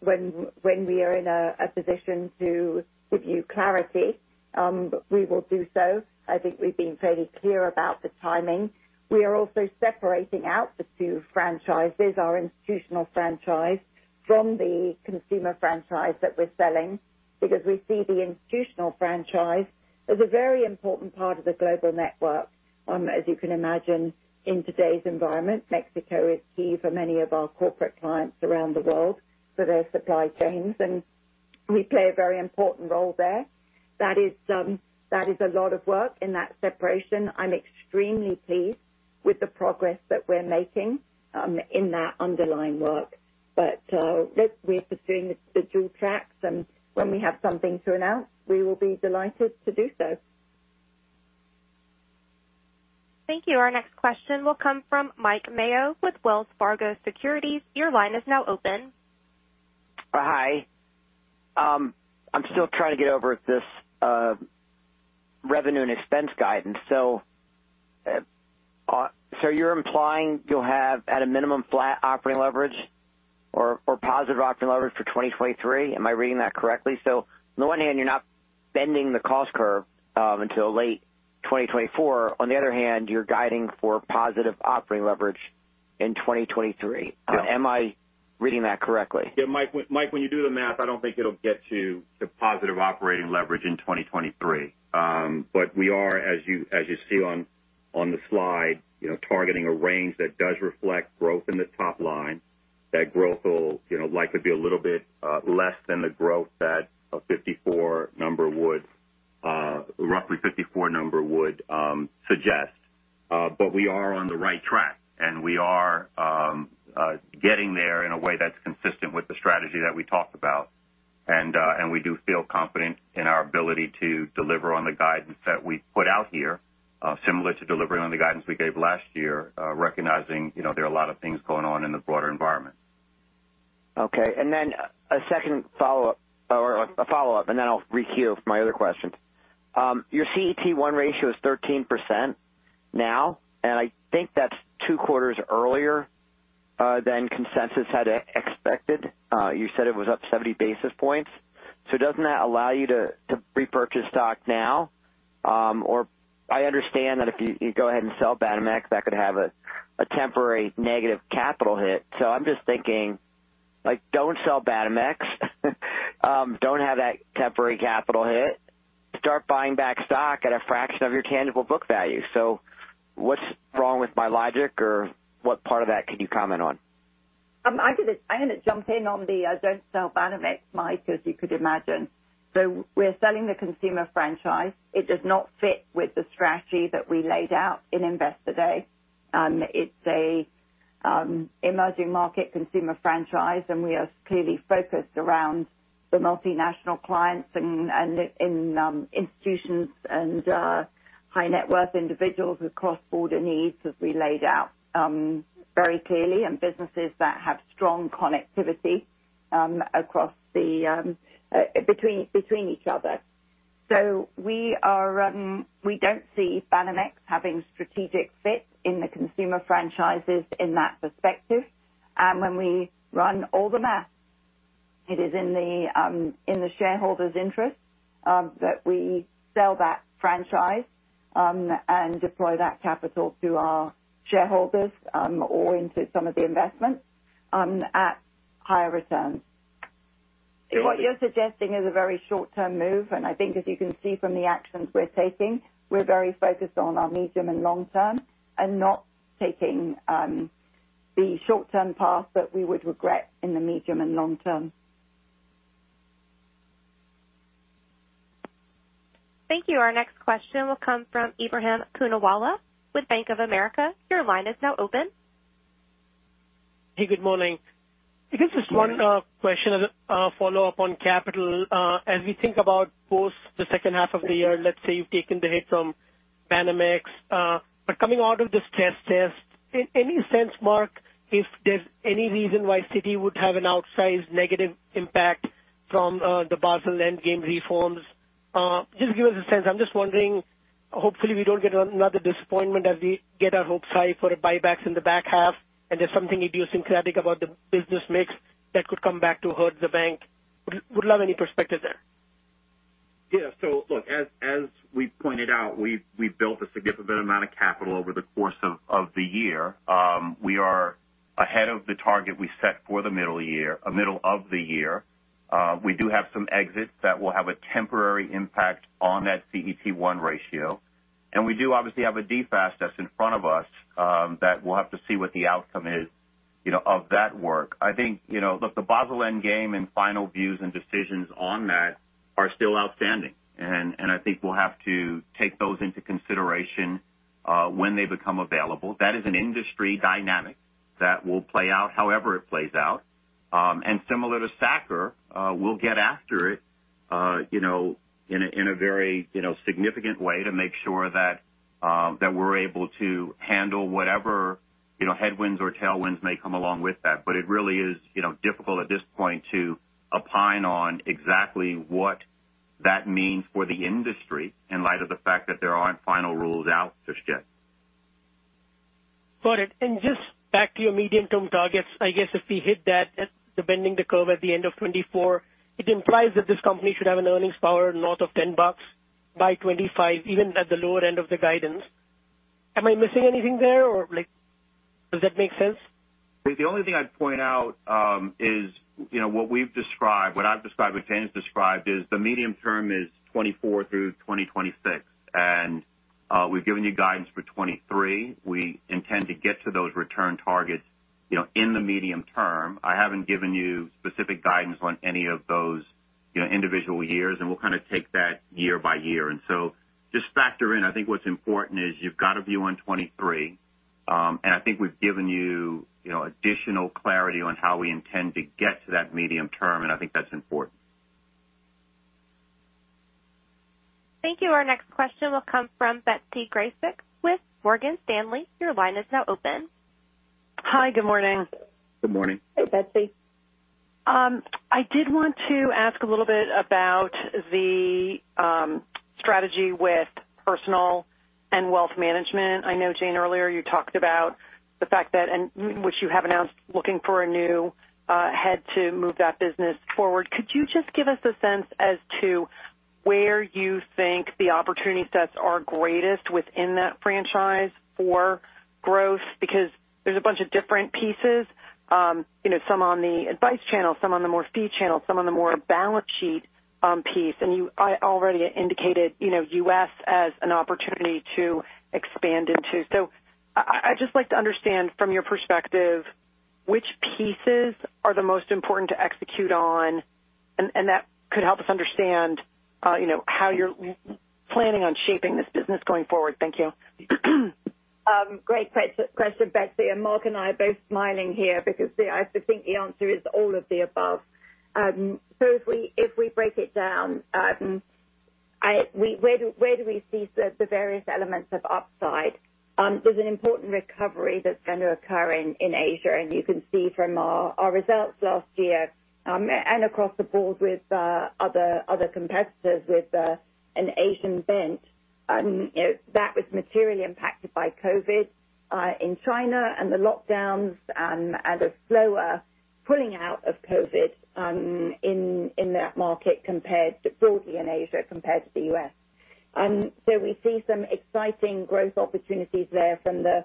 when we are in a position to give you clarity, we will do so. I think we've been fairly clear about the timing. We are also separating out the two franchises, our institutional franchise from the consumer franchise that we're selling, because we see the institutional franchise as a very important part of the global network. As you can imagine, in today's environment, Mexico is key for many of our corporate clients around the world for their supply chains, and we play a very important role there. That is, that is a lot of work in that separation. I'm extremely pleased with the progress that we're making in that underlying work. That we're pursuing the dual tracks, and when we have something to announce, we will be delighted to do so. Thank you. Our next question will come from Mike Mayo with Wells Fargo Securities. Your line is now open. Hi. I'm still trying to get over this, revenue and expense guidance. You're implying you'll have, at a minimum, flat operating leverage or positive operating leverage for 2023. Am I reading that correctly? On the one hand, you're not bending the cost curve, until late 2024. On the other hand, you're guiding for positive operating leverage in 2023. Yeah. Am I reading that correctly? Yeah, Mike, when you do the math, I don't think it'll get to the positive operating leverage in 2023. We are, as you see on the slide, you know, targeting a range that does reflect growth in the top-line. That growth will, you know, likely be a little bit less than the growth that a 54 number would, roughly 54 number would suggest. We are on the right track, and we are getting there in a way that's consistent with the strategy that we talked about. We do feel confident in our ability to deliver on the guidance that we put out here, similar to delivering on the guidance we gave last year, recognizing, you know, there are a lot of things going on in the broader environment. Okay. A second follow-up or a follow-up, and then I'll re-queue my other questions. Your CET1 ratio is 13% now, and I think that's two quarters earlier than consensus had expected. You said it was up 70 basis points. Doesn't that allow you to repurchase stock now? I understand that if you go ahead and sell Banamex, that could have a temporary negative capital hit. I'm just thinking, like, don't sell Banamex. Don't have that temporary capital hit. Start buying back stock at a fraction of your tangible book value. What's wrong with my logic? What part of that can you comment on? I'm gonna jump in on the don't sell Banamex, Mike, as you could imagine. We're selling the consumer franchise. It does not fit with the strategy that we laid out in Investor Day. It's an emerging market consumer franchise. We are clearly focused around the multinational clients and in institutions and high net worth individuals with cross-border needs, as we laid out very clearly, businesses that have strong connectivity between each other. We don't see Banamex having strategic fit in the consumer franchises in that perspective. When we run all the math, it is in the shareholders' interest that we sell that franchise and deploy that capital to our shareholders or into some of the investments at higher returns. What you're suggesting is a very short-term move, and I think as you can see from the actions we're taking, we're very focused on our medium and long term and not taking the short-term path that we would regret in the medium and long term. Thank you. Our next question will come from Ebrahim Poonawala with Bank of America. Your line is now open. Hey, good morning. Good morning. I guess just one question as a follow-up on capital. As we think about post the second half of the year, let's say you've taken the hit from Banamex. Coming out of the stress test, in any sense, Mark, if there's any reason why Citi would have an outsized negative impact from the Basel endgame reforms. Just give us a sense. I'm just wondering, hopefully we don't get another disappointment as we get our hopes high for buybacks in the back half, and there's something idiosyncratic about the business mix that could come back to hurt the bank. Would love any perspective there. Yeah. Look, as we pointed out, we've built a significant amount of capital over the course of the year. We are ahead of the target we set for the middle of the year. We do have some exits that will have a temporary impact on that CET1 ratio. We do obviously have a DFAST that's in front of us, that we'll have to see what the outcome is, you know, of that work. I think, you know, look, the Basel endgame and final views and decisions on that are still outstanding. I think we'll have to take those into consideration when they become available. That is an industry dynamic that will play out however it plays out. Similar to CCAR, we'll get after it, you know, in a, in a very, you know, significant way to make sure that we're able to handle whatever, you know, headwinds or tailwinds may come along with that. It really is, you know, difficult at this point to opine on exactly what that means for the industry in light of the fact that there aren't final rules out just yet. Got it. Just back to your medium-term targets. I guess if we hit that, the bending the curve at the end of 2024, it implies that this company should have an earnings power north of $10 by 2025, even at the lower end of the guidance. Am I missing anything there? Like, does that make sense? The only thing I'd point out, you know, what we've described, what I've described, what Jane's described is the medium term is 2024 through 2026. We've given you guidance for 2023. We intend to get to those return targets, you know, in the medium term. I haven't given you specific guidance on any of those, you know, individual years, and we'll kind of take that year-by-year. Just factor in, I think what's important is you've got a view on 2023. And I think we've given you know, additional clarity on how we intend to get to that medium term, and I think that's important. Thank you. Our next question will come from Betsy Graseck with Morgan Stanley. Your line is now open. Hi. Good morning. Good morning. Hey, Betsy. I did want to ask a little bit about the strategy with Personal Banking and Wealth Management. I know, Jane, earlier you talked about the fact that... Which you have announced looking for a new head to move that business forward. Could you just give us a sense as to where you think the opportunity sets are greatest within that franchise for growth? Because there's a bunch of different pieces, you know, some on the advice channel, some on the more fee channel, some on the more balance sheet piece. And I already indicated, you know, U.S. as an opportunity to expand into. I just like to understand from your perspective, which pieces are the most important to execute on, and that could help us understand, you know, how you're planning on shaping this business going forward. Thank you. Great question, Betsy, and Mark and I are both smiling here because I think the answer is all of the above. If we, if we break it down, where do we see the various elements of upside? There's an important recovery that's going to occur in Asia. You can see from our results last year, and across the board with other competitors with an Asian bent, you know, that was materially impacted by COVID in China and the lockdowns, and a slower pulling out of COVID in that market compared broadly in Asia compared to the U.S. We see some exciting growth opportunities there from the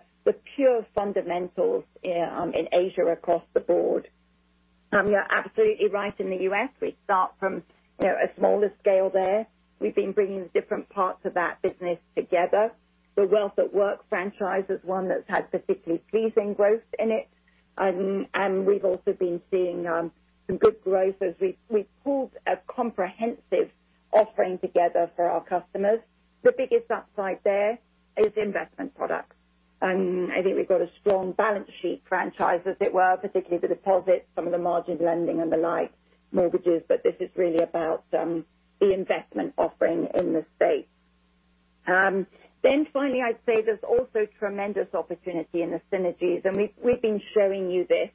pure fundamentals in Asia across the board. You're absolutely right, in the U.S., we start from, you know, a smaller scale there. We've been bringing the different parts of that business together. The Citi Wealth at Work franchise is one that's had particularly pleasing growth in it. We've also been seeing some good growth as we pulled a comprehensive offering together for our customers. The biggest upside there is investment products. I think we've got a strong balance sheet franchise, as it were, particularly the deposits, some of the margin lending and the like, mortgages. This is really about the investment offering in the space. Finally, I'd say there's also tremendous opportunity in the synergies. We've been showing you this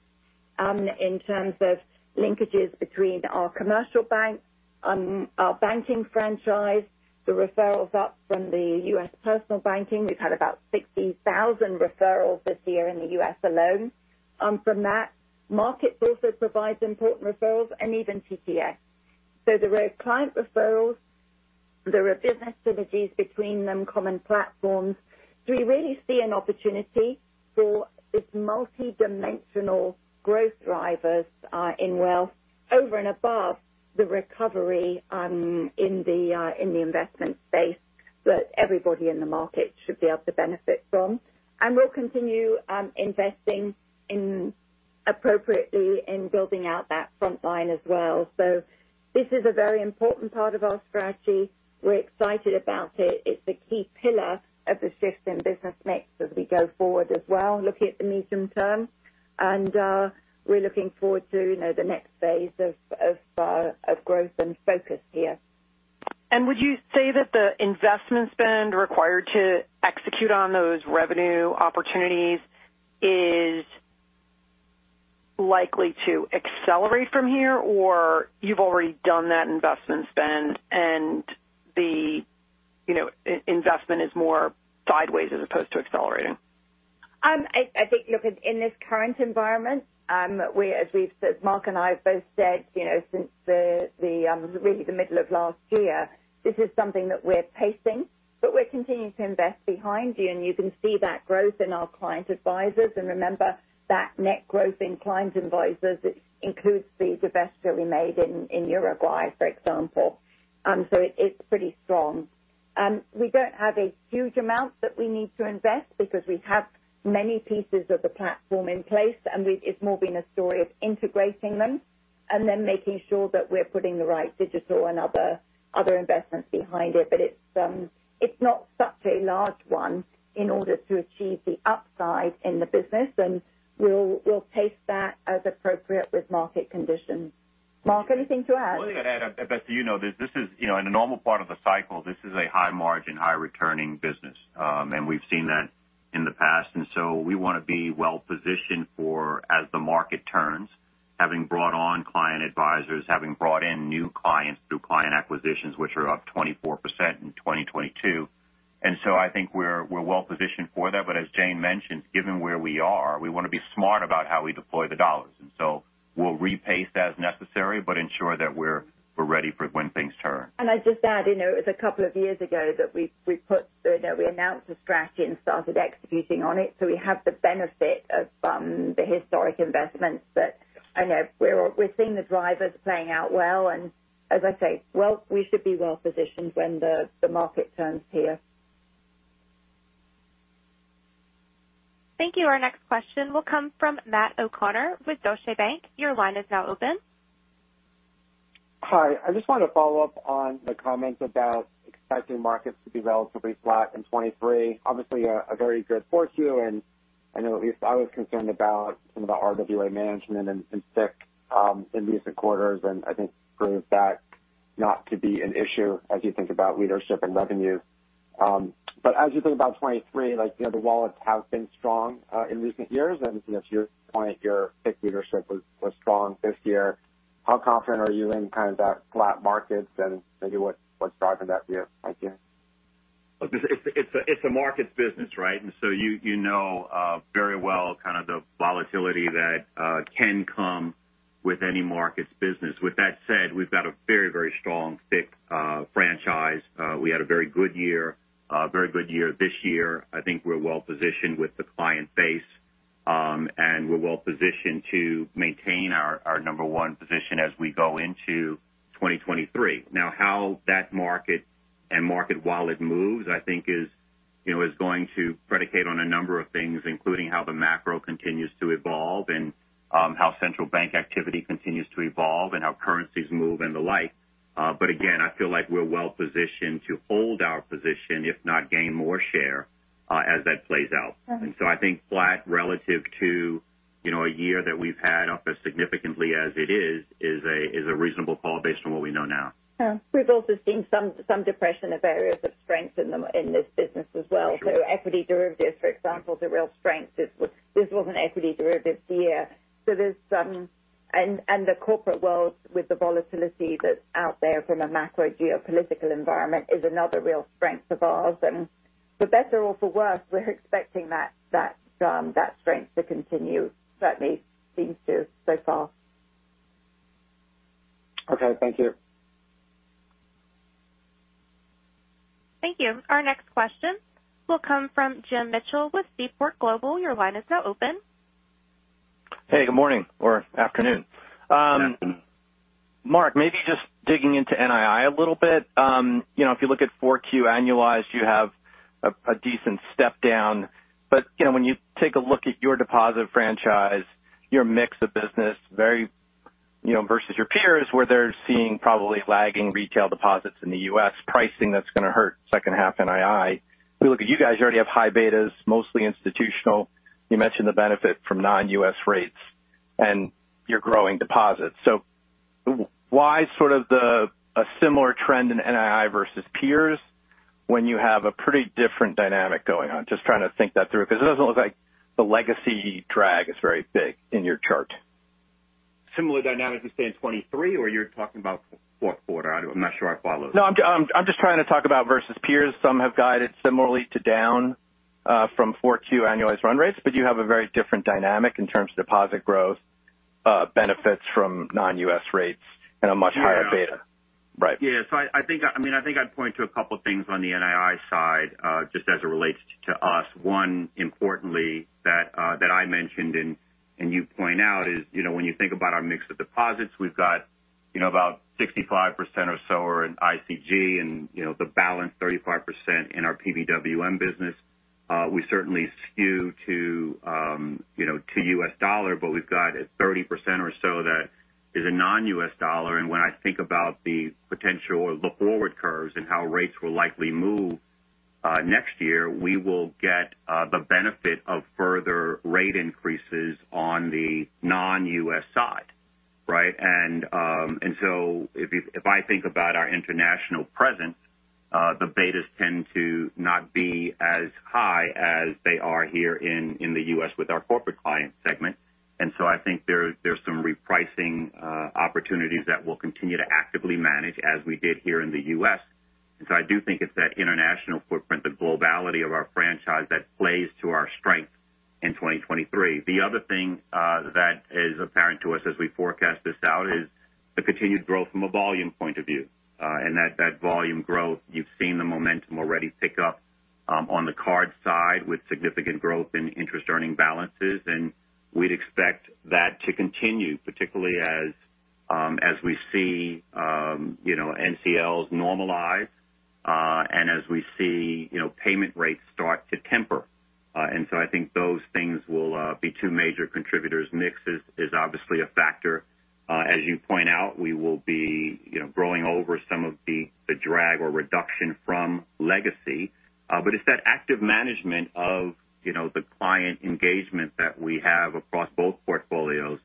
in terms of linkages between our commercial bank, our banking franchise, the referrals up from the U.S. Personal Banking. We've had about 60,000 referrals this year in the U.S. alone. From that. Markets also provides important referrals and even TTS. There are client referrals, there are business synergies between them, common platforms. We really see an opportunity for this multidimensional growth drivers in Wealth over and above the recovery in the investment space that everybody in the market should be able to benefit from. We'll continue investing in appropriately in building out that frontline as well. This is a very important part of our strategy. We're excited about it. It's a key pillar of the shift in business mix as we go forward as well, looking at the medium term. We're looking forward to, you know, the next phase of growth and focus here. Would you say that the investment spend required to execute on those revenue opportunities is likely to accelerate from here, or you've already done that investment spend and the, you know, investment is more sideways as opposed to accelerating? I think, look, in this current environment, as we've said, Mark and I have both said, you know, since the really the middle of last year, this is something that we're pacing, but we're continuing to invest behind you. You can see that growth in our client advisors. Remember that net growth in client advisors includes the divest that we made in Uruguay, for example. It's pretty strong. We don't have a huge amount that we need to invest because we have many pieces of the platform in place, and it's more been a story of integrating them and then making sure that we're putting the right digital and other investments behind it. It's not such a large one in order to achieve the upside in the business. We'll pace that as appropriate with market conditions. Mark, anything to add? Well, I think I'd add, Betsy, you know, this is, you know, in a normal part of the cycle, this is a high margin, high returning business. We've seen that in the past, and so we wanna be well positioned for as the market turns, having brought on client advisors, having brought in new clients through client acquisitions, which are up 24% in 2022. I think we're well positioned for that. As Jane mentioned, given where we are, we wanna be smart about how we deploy the dollars, and so we'll repace as necessary but ensure that we're ready for when things turn. I'd just add, you know, it was a couple of years ago that we put, you know, we announced a strategy and started executing on it. We have the benefit of the historic investments. I know we're seeing the drivers playing out well, and as I say, Wealth, we should be well positioned when the market turns here. Thank you. Our next question will come from Matt O'Connor with Deutsche Bank. Your line is now open. Hi. I just wanted to follow up on the comments about expecting markets to be relatively flat in 2023. Obviously a very good forecast, and I know at least I was concerned about some of the RWA management and FICC in recent quarters, and I think proves that not to be an issue as you think about leadership and revenue. As you think about 2023, like, you know, the wallets have been strong in recent years, and to your point, your FICC leadership was strong this year. How confident are you in kind of that flat markets and maybe what's driving that view? Thank you. It's a Markets business, right? You, you know, very well kind of the volatility that can come with any Markets business. With that said, we've got a very strong FICC franchise. We had a very good year this year. I think we're well-positioned with the client base, and we're well-positioned to maintain our number one position as we go into 2023. Now, how that market and market wallet moves, I think is, you know, is going to predicate on a number of things, including how the macro continues to evolve and how central bank activity continues to evolve and how currencies move and the like. Again, I feel like we're well-positioned to hold our position, if not gain more share as that plays out. I think flat relative to, you know, a year that we've had up as significantly as it is a reasonable call based on what we know now. Yeah. We've also seen some depression of areas of strength in this business as well. Equity derivatives, for example, is a real strength. This was an equity derivatives year. There's some. The corporate world with the volatility that's out there from a macro geopolitical environment is another real strength of ours. For better or for worse, we're expecting that strength to continue. Certainly seems to so far. Okay. Thank you. Thank you. Our next question will come from James Mitchell with Seaport Global. Your line is now open. Hey, good morning or afternoon. Mark, maybe just digging into NII a little bit. You know, if you look at 4Q annualized, you have a decent step down. You know, when you take a look at your deposit franchise, your mix of business, very, you know, versus your peers, where they're seeing probably lagging retail deposits in the U.S. pricing that's gonna hurt second half NII. If you look at you guys, you already have high betas, mostly institutional. You mentioned the benefit from non-U.S. rates and your growing deposits. Why sort of a similar trend in NII versus peers when you have a pretty different dynamic going on? Just trying to think that through, because it doesn't look like the legacy drag is very big in your chart. Similar dynamic you say in 2023, or you're talking about fourth quarter? I'm not sure I follow. No, I'm just trying to talk about versus peers. Some have guided similarly to down from 4Q annualized run rates, but you have a very different dynamic in terms of deposit growth, benefits from non-U.S. rates and a much higher beta. Yeah. Right. I think, I mean, I think I'd point to a couple things on the NII side, just as it relates to us. One, importantly that I mentioned and you point out is, you know, when you think about our mix of deposits, we've got, you know, about 65% or so are in ICG and, you know, the balance 35% in our PBWM business. We certainly skew to, you know, to U.S. dollar, but we've got a 30% or so that is a non-U.S. dollar. When I think about the potential or the forward curves and how rates will likely move next year, we will get the benefit of further rate increases on the non-U.S. side, right? If I think about our international presence, the betas tend to not be as high as they are here in the U.S. with our corporate client segment. I think there's some repricing opportunities that we'll continue to actively manage as we did here in the U.S. I do think it's that international footprint, the globality of our franchise that plays to our strength in 2023. The other thing that is apparent to us as we forecast this out is the continued growth from a volume point of view. That volume growth, you've seen the momentum already pick up, on the Cards Side with significant growth in interest earning balances, and we'd expect that to continue, particularly as we see, you know, NCLs normalize, and as we see, you know, payment rates start to temper. I think those things will be two major contributors. Mix is obviously a factor. As you point out, we will be, you know, growing over some of the drag or reduction from legacy. It's that active management of, you know, the client engagement that we have across both portfolios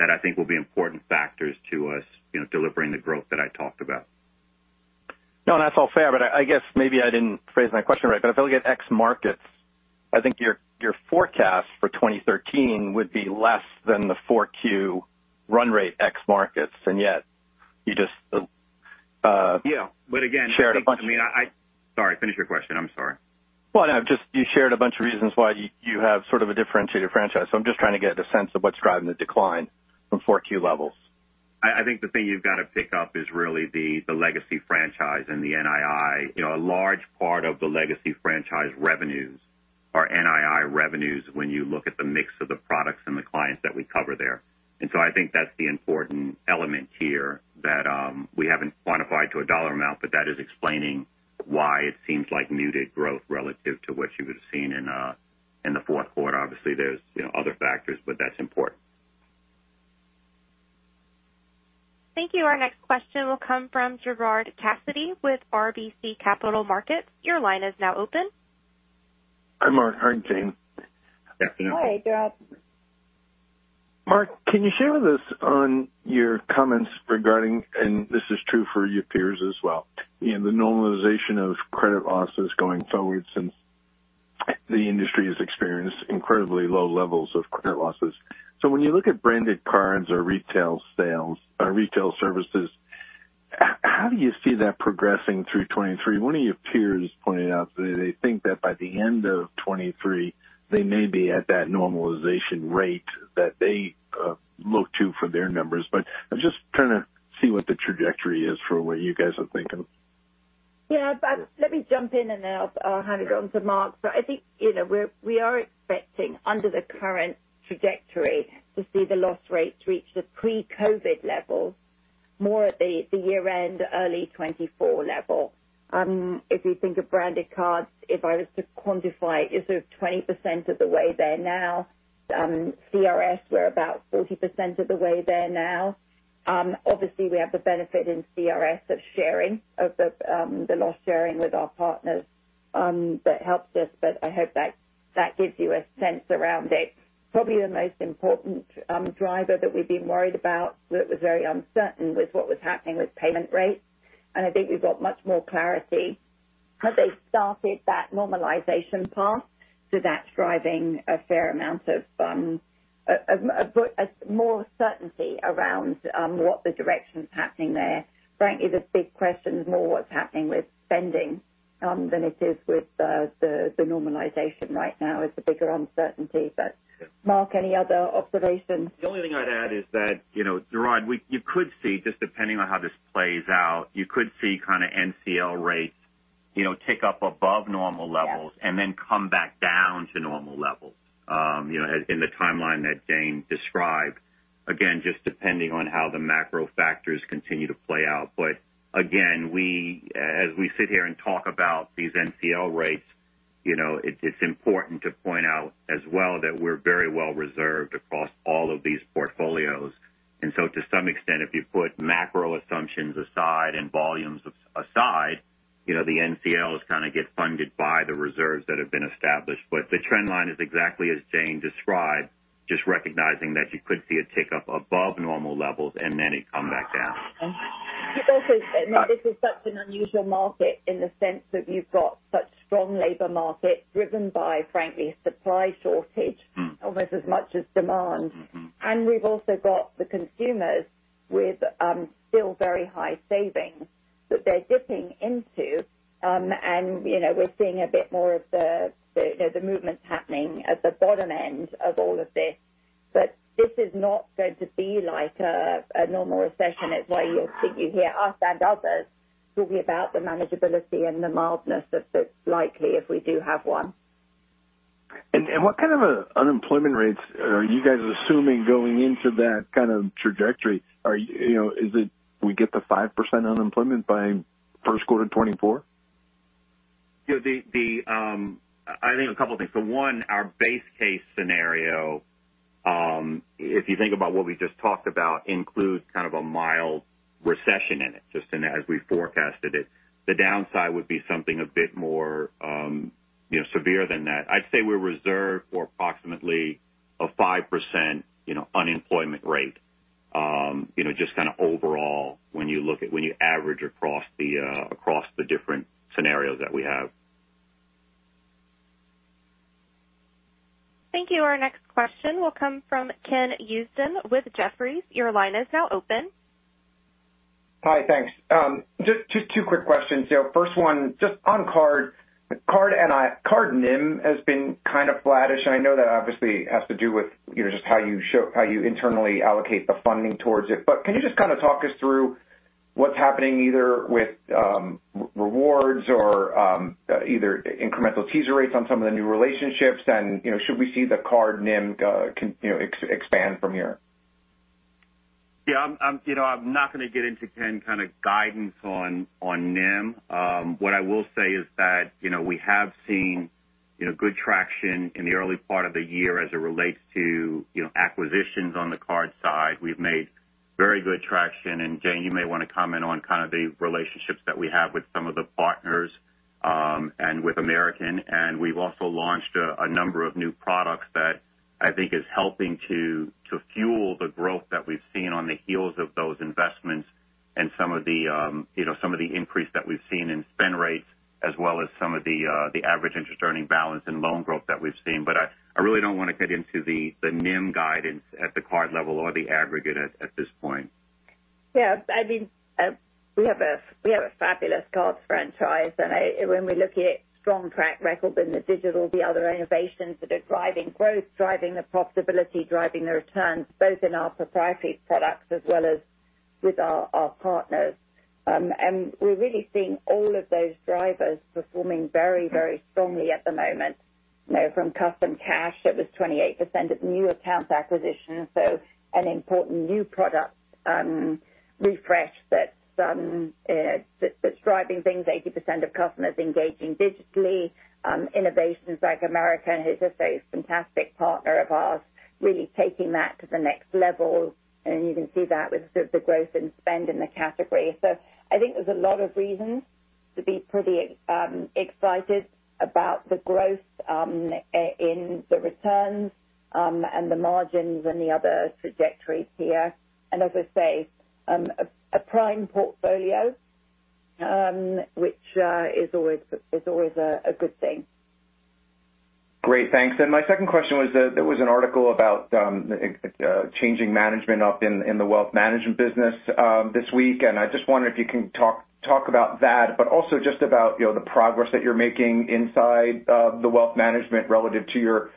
that I think will be important factors to us, you know, delivering the growth that I talked about. No, that's all fair, but I guess maybe I didn't phrase my question right. If I look at ex markets, I think your forecast for 2013 would be less than the 4Q run rate ex markets. Yet you just. Yeah. Shared a bunch of. I mean, Sorry. Finish your question. I'm sorry. No, just you shared a bunch of reasons why you have sort of a differentiated franchise. I'm just trying to get a sense of what's driving the decline from 4Q levels. I think the thing you've got to pick up is really the Legacy Franchises and the NII. You know, a large part of the Legacy Franchises revenues are NII revenues when you look at the mix of the products and the clients that we cover there. I think that's the important element here that we haven't quantified to a dollar amount, but that is explaining why it seems like muted growth relative to what you would have seen in the fourth quarter. Obviously, there's, you know, other factors, but that's important. Thank you. Our next question will come from Gerard Cassidy with RBC Capital Markets. Your line is now open. Hi, Mark. Hi, Jane. Good afternoon. Hi, Gerard. Mark, can you share with us on your comments regarding, and this is true for your peers as well, in the normalization of credit losses going forward since the industry has experienced incredibly low levels of credit losses. When you look at Branded Cards or Retail Sales, or Retail Services, how do you see that progressing through 2023? One of your peers pointed out they think that by the end of 2023, they may be at that normalization rate that they look to for their numbers. I'm just trying to see what the trajectory is for what you guys are thinking. Let me jump in and then I'll hand it on to Mark. I think, you know, we are expecting under the current trajectory to see the loss rates reach the pre-COVID levels more at the year-end, early 2024 level. If we think of branded cards, if I was to quantify, is it 20% of the way there now? CET1, we're about 40% of the way there now. Obviously we have the benefit in CET1 of sharing of the loss sharing with our partners, that helps us. I hope that gives you a sense around it. Probably the most important driver that we've been worried about that was very uncertain was what was happening with payment rates. I think we've got much more clarity. Have they started that normalization path? That's driving a fair amount of more certainty around what the direction is happening there. Frankly, the big question is more what's happening with spending than it is with the normalization right now is the bigger uncertainty. Yeah. Mark, any other observations? The only thing I'd add is that, you know, Gerard, you could see, just depending on how this plays out, you could see kind of NCL rates, you know, tick up above normal levels. Yeah. And then come back down to normal levels, you know, in the timeline that Jane described. Again, just depending on how the macro factors continue to play out. Again, we, as we sit here and talk about these NCL rates, you know, it's important to point out as well that we're very well reserved across all of these portfolios. So to some extent, if you put macro assumptions aside and volumes aside, you know, the NCLs kind of get funded by the reserves that have been established. The trend line is exactly as Jane described, just recognizing that you could see a tick up above normal levels and then it come back down. This is such an unusual market in the sense that you've got such strong labor market driven by, frankly, supply shortage almost as much as demand. We've also got the consumers with still very high savings that they're dipping into. You know, we're seeing a bit more of the movements happening at the bottom end of all of this. This is not going to be like a normal recession. It's why you're seeing, you hear us and others talking about the manageability and the mildness that's likely if we do have one. What kind of unemployment rates are you guys assuming going into that kind of trajectory? You know, is it we get to 5% unemployment by first quarter 2024? You know, the, I think a couple of things. One, our base case scenario, if you think about what we just talked about, includes kind of a mild recession in it, just in as we forecasted it. The downside would be something a bit more, you know, severe than that. I'd say we're reserved for approximately a 5%, you know, unemployment rate, you know, just kind of overall when you average across the, across the different scenarios that we have. Thank you. Our next question will come from Ken Usdin with Jefferies. Your line is now open. Hi. Thanks. Just two quick questions. First one, just on card. Card and Card NIM has been kind of flattish. I know that obviously has to do with, you know, just how you internally allocate the funding towards it. Can you just kind of talk us through what's happening either with rewards or either incremental teaser rates on some of the new relationships? You know, should we see the Card NIM, you know, expand from here? Yeah, I'm, you know, I'm not going to get into, Ken, kind of guidance on NIM. What I will say is that, you know, we have seen, you know, good traction in the early part of the year as it relates to, you know, acquisitions on the Cards Side. We've made very good traction. Jane, you may want to comment on kind of the relationships that we have with some of the partners and with American. We've also launched a number of new products that I think is helping to fuel the growth that we've seen on the heels of those investments and some of the, you know, some of the increase that we've seen in spend rates as well as some of the average interest earning balance and loan growth that we've seen. I really don't want to get into the NIM guidance at the card level or the aggregate at this point. We have a fabulous card franchise. When we look at strong track record in the digital, the other innovations that are driving growth, driving the profitability, driving the returns both in our proprietary products as well as with our partners. We're really seeing all of those drivers performing very, very strongly at the moment. You know, from Citi Custom Cash, it was 28% of new account acquisition. An important new product refresh that's driving things. 80% of customers engaging digitally. Innovations like American Airlines, who's just a fantastic partner of ours, really taking that to the next level. You can see that with the growth in spend in the category. I think there's a lot of reasons to be pretty excited about the growth in the returns and the margins and the other trajectories here. As I say, a prime portfolio which is always a good thing. Great. Thanks. My second question was that there was an article about changing management up in the Wealth Management business this week. I just wondered if you can talk about that, but also just about, you know, the progress that you're making inside of the Wealth Management relative to your,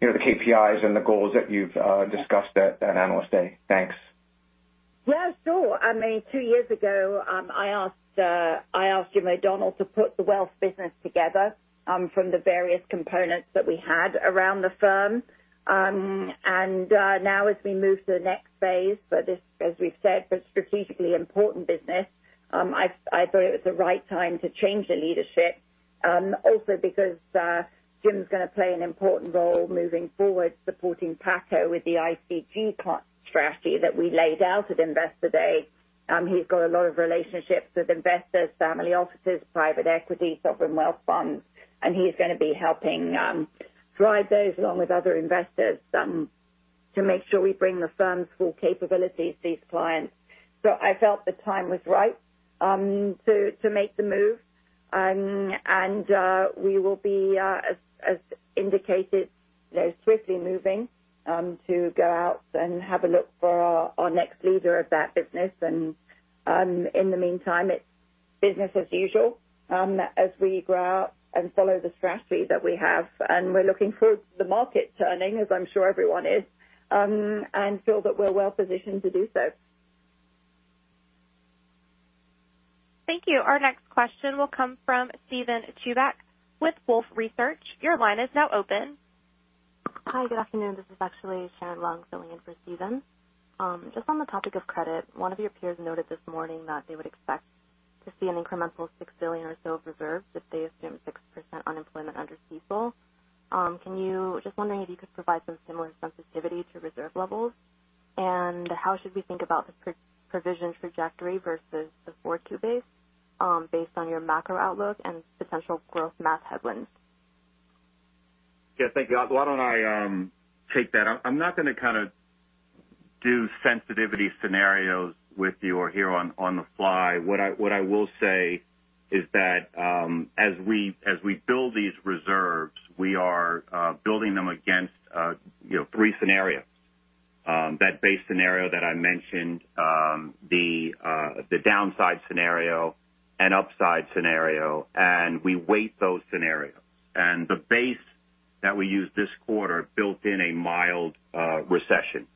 you know, the KPIs and the goals that you've discussed at Analyst Day. Thanks. Yeah, sure. I mean, two years ago, I asked Jim O'Donnell to put the Wealth business together, from the various components that we had around the firm. Now as we move to the next phase for this, as we've said, it's a strategically important business, I thought it was the right time to change the leadership. Also because, Jim's gonna play an important role moving forward, supporting Paco with the ICG strategy that we laid out at Investor Day. He's got a lot of relationships with investors, family offices, private equity, sovereign wealth funds, and he's gonna be helping drive those along with other investors, to make sure we bring the firm's full capabilities to these clients. I felt the time was right to make the move. We will be, as indicated, you know, swiftly moving to go out and have a look for our next leader of that business. In the meantime, it's business as usual, as we grow out and follow the strategy that we have. We're looking forward to the market turning, as I'm sure everyone is, and feel that we're well-positioned to do so. Thank you. Our next question will come from Steven Chubak with Wolfe Research. Your line is now open. Hi, good afternoon. This is actually Shannen Long filling in for Steven Chubak. Just on the topic of credit, one of your peers noted this morning that they would expect to see an incremental $6 billion or so of reserves if they assume 6% unemployment under CECL. Just wondering if you could provide some similar sensitivity to reserve levels. How should we think about the provision trajectory versus the 4.2 base, based on your macro outlook and potential growth math headwinds? Yeah, thank you. Why don't I take that? I'm not gonna kind of do sensitivity scenarios with you or here on the fly. What I will say is that as we build these reserves, we are building them against, you know, three scenarios. That base scenario that I mentioned, the downside scenario, an upside scenario, and we weight those scenarios. The base that we used this quarter built in a mild recession.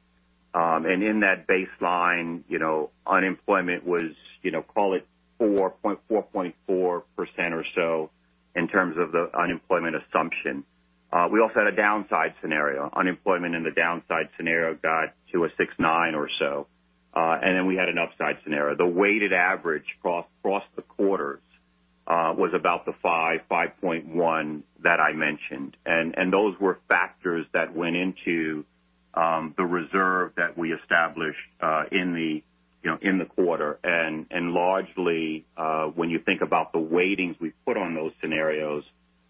In that baseline, you know, unemployment was, you know, call it 4.4% or so in terms of the unemployment assumption. We also had a downside scenario. Unemployment in the downside scenario got to a 6.9% or so. We had an upside scenario. The weighted average across the quarters was about the 5.1 that I mentioned. Those were factors that went into the reserve that we established, you know, in the quarter. Largely, when you think about the weightings we put on those scenarios,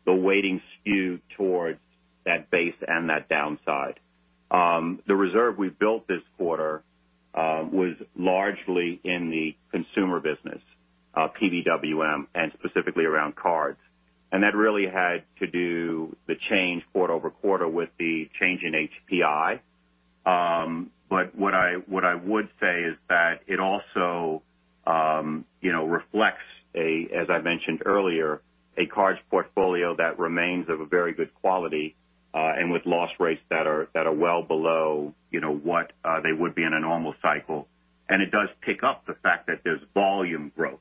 the weighting skewed towards that base and that downside. The reserve we built this quarter was largely in the consumer business, PBWM, and specifically around cards. That really had to do the change quarter-over-quarter with the change in HPI. What I would say is that it also, you know, reflects a, as I mentioned earlier, a cards portfolio that remains of a very good quality, and with loss rates that are well below, you know, what they would be in a normal cycle. It does pick up the fact that there's volume growth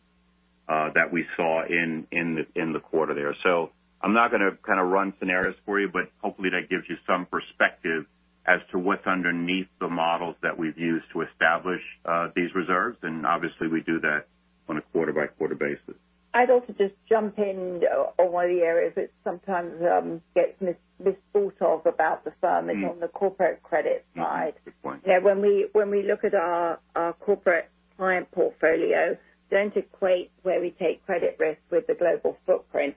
that we saw in the quarter there. I'm not gonna kind of run scenarios for you, but hopefully that gives you some perspective as to what's underneath the models that we've used to establish these reserves. Obviously we do that on a quarter-by-quarter basis. I'd also just jump in on one of the areas that sometimes gets misthought of about the firm is on the corporate credit side. Good point. You know, when we look at our corporate client portfolio, don't equate where we take credit risks with the global footprint.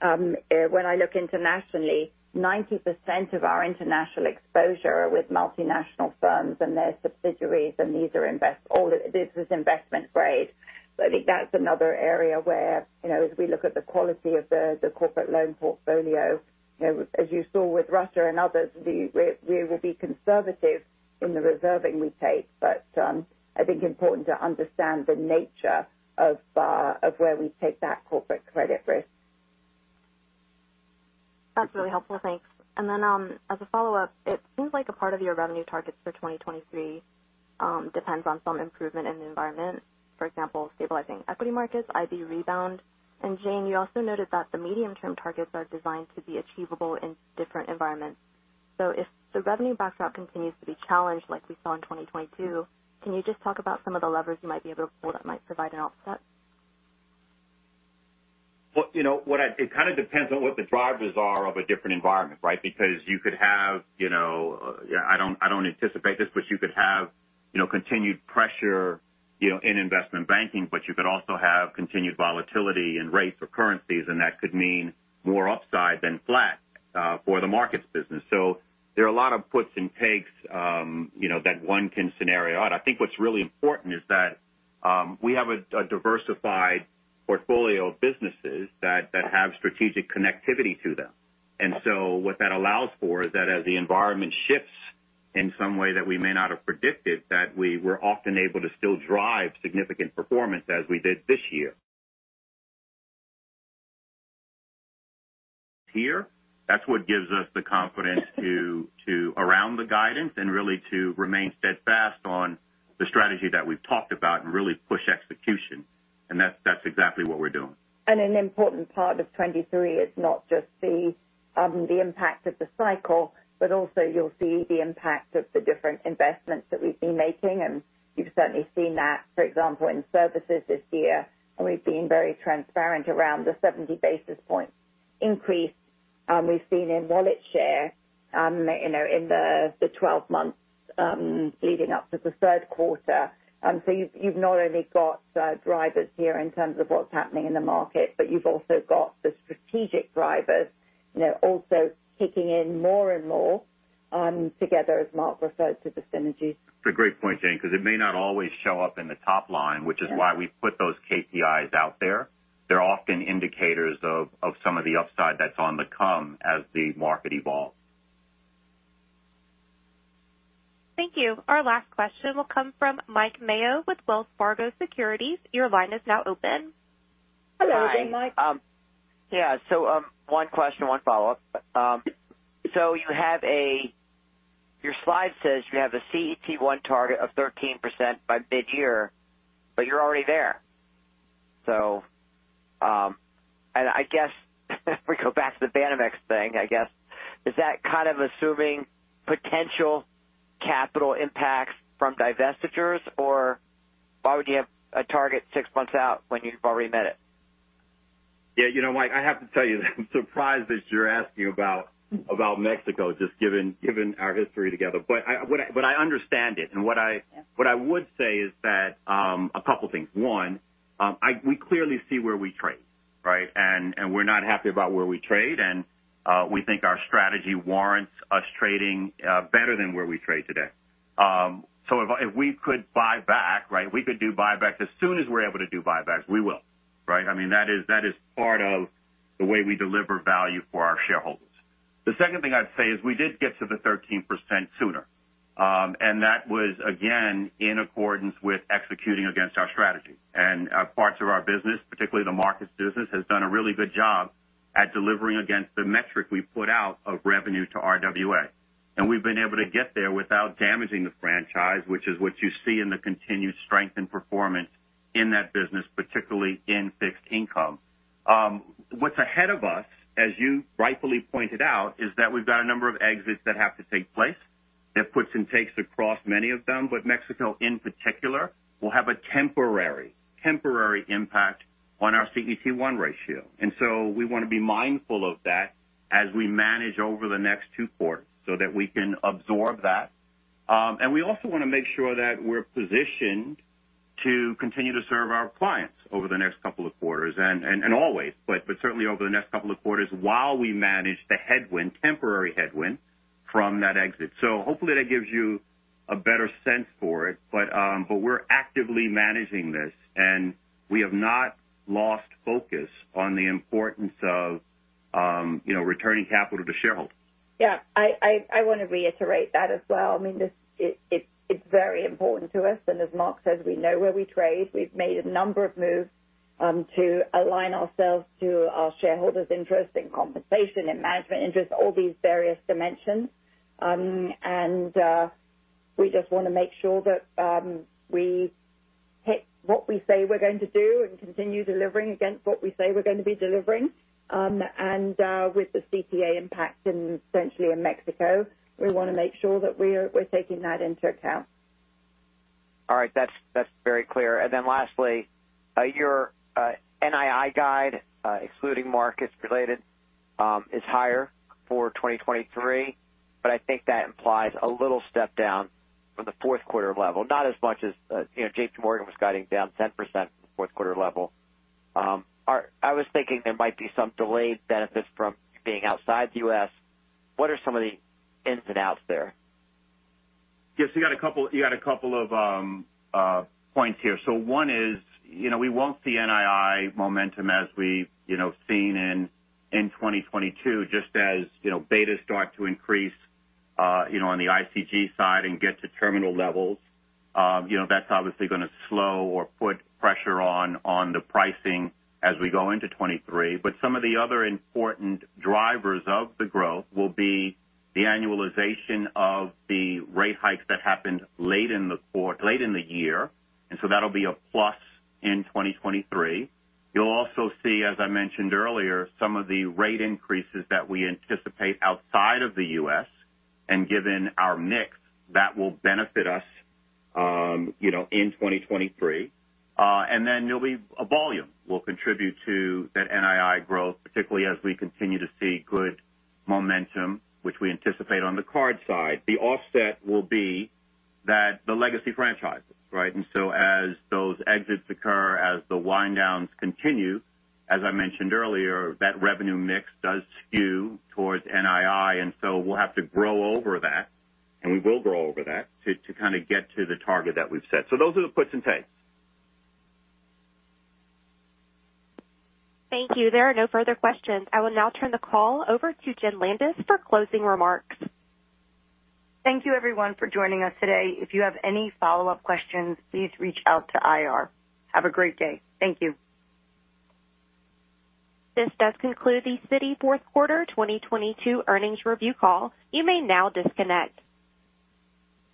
When I look internationally, 90% of our international exposure are with multinational firms and their subsidiaries, and these are all of it, this is investment grade. I think that's another area where, you know, as we look at the quality of the corporate loan portfolio, you know, as you saw with Russia and others, we will be conservative in the reserving we take. I think important to understand the nature of where we take that corporate credit risk. That's really helpful. Thanks. Then, as a follow-up, it seems like a part of your revenue targets for 2023 depends on some improvement in the environment, for example, stabilizing equity markets, IB rebound. Jane, you also noted that the medium-term targets are designed to be achievable in different environments. If the revenue backdrop continues to be challenged like we saw in 2022, can you just talk about some of the levers you might be able to pull that might provide an offset? You know what? It kind of depends on what the drivers are of a different environment, right? You could have, you know, I don't, I don't anticipate this, you could have, you know, continued pressure, you know, in Investment Banking, you could also have continued volatility in rates or currencies, that could mean more upside than flat for the Markets business. There are a lot of puts and takes, you know, that one can scenario out. I think what's really important is that we have a diversified portfolio of businesses that have strategic connectivity to them. What that allows for is that as the environment shifts in some way that we may not have predicted, that we were often able to still drive significant performance as we did this year. Here, that's what gives us the confidence to around the guidance and really to remain steadfast on the strategy that we've talked about and really push execution. That's exactly what we're doing. An important part of 2023 is not just the impact of the cycle, but also you'll see the impact of the different investments that we've been making. You've certainly seen that, for example, in services this year. We've been very transparent around the 70 basis points increase we've seen in wallet share, you know, in the 12 months leading up to the third quarter. You've not only got drivers here in terms of what's happening in the market, but you've also got the strategic drivers, you know, also kicking in more and more together, as Mark Mason referred to, the synergies. It's a great point, Jane, because it may not always show up in the top-line, which is why we put those KPIs out there. They're often indicators of some of the upside that's on the come as the market evolves. Thank you. Our last question will come from Mike Mayo with Wells Fargo Securities. Your line is now open. Hello again, Mike. Hi. Yeah, one question, one follow-up. You have your slide says you have a CET1 target of 13% by mid-year, but you're already there. I guess if we go back to the Banamex thing, I guess, is that kind of assuming potential capital impacts from divestitures? Why would you have a target six months out when you've already met it? Yeah. You know, Mike, I have to tell you that I'm surprised that you're asking about Mexico, just given our history together. What I, but I understand it, and what I would say is that a couple things. One, we clearly see where we trade, right? We're not happy about where we trade. We think our strategy warrants us trading better than where we trade today. If we could buy back, right, we could do buybacks. As soon as we're able to do buybacks, we will. Right? I mean, that is part of the way we deliver value for our shareholders. The second thing I'd say is we did get to the 13% sooner. That was again in accordance with executing against our strategy. Parts of our business, particularly the Markets business, has done a really good job at delivering against the metric we put out of revenue to RWA. We've been able to get there without damaging the franchise, which is what you see in the continued strength and performance in that business, particularly in fixed income. What's ahead of us, as you rightfully pointed out, is that we've got a number of exits that have to take place. There are puts and takes across many of them. Mexico in particular will have a temporary impact on our CET1 ratio. We want to be mindful of that as we manage over the next two quarters so that we can absorb that. We also want to make sure that we're positioned to continue to serve our clients over the next couple of quarters and always, but certainly over the next couple of quarters while we manage the headwind, temporary headwind from that exit. Hopefully that gives you a better sense for it. We're actively managing this, and we have not lost focus on the importance of, you know, returning capital to shareholders. Yeah, I want to reiterate that as well. I mean, this it's very important to us. As Mark says, we know where we trade. We've made a number of moves to align ourselves to our shareholders interest in compensation and management interest, all these various dimensions. We just want to make sure that we hit what we say we're going to do and continue delivering against what we say we're going to be delivering. With the CTA impact and essentially in Mexico, we want to make sure that we're taking that into account. All right. That's very clear. Lastly, your NII guide, excluding markets related, is higher for 2023, but I think that implies a little step down from the fourth quarter level. Not as much as, you know, JPMorgan was guiding down 10% from the fourth quarter level. I was thinking there might be some delayed benefits from being outside the U.S. What are some of the ins and outs there? Yes. You got a couple of points here. One is, you know, we won't see NII momentum as we've, you know, seen in 2022, just as, you know, betas start to increase, you know, on the ICG side and get to terminal levels. You know, that's obviously gonna slow or put pressure on the pricing as we go into 2023. Some of the other important drivers of the growth will be the annualization of the rate hikes that happened late in the year, and so that'll be a plus in 2023. You'll also see, as I mentioned earlier, some of the rate increases that we anticipate outside of the U.S., and given our mix, that will benefit us, you know, in 2023. There'll be a volume will contribute to that NII growth, particularly as we continue to see good momentum, which we anticipate on the Cards Side. The offset will be that the Legacy Franchises, right? As those exits occur, as the wind downs continue, as I mentioned earlier, that revenue mix does skew towards NII. We'll have to grow over that, and we will grow over that to kind of get to the target that we've set. Those are the puts and takes. Thank you. There are no further questions. I will now turn the call over to Jennifer Landis for closing remarks. Thank you everyone for joining us today. If you have any follow-up questions, please reach out to IR. Have a great day. Thank you. This does conclude the Citi fourth quarter 2022 earnings review call. You may now disconnect.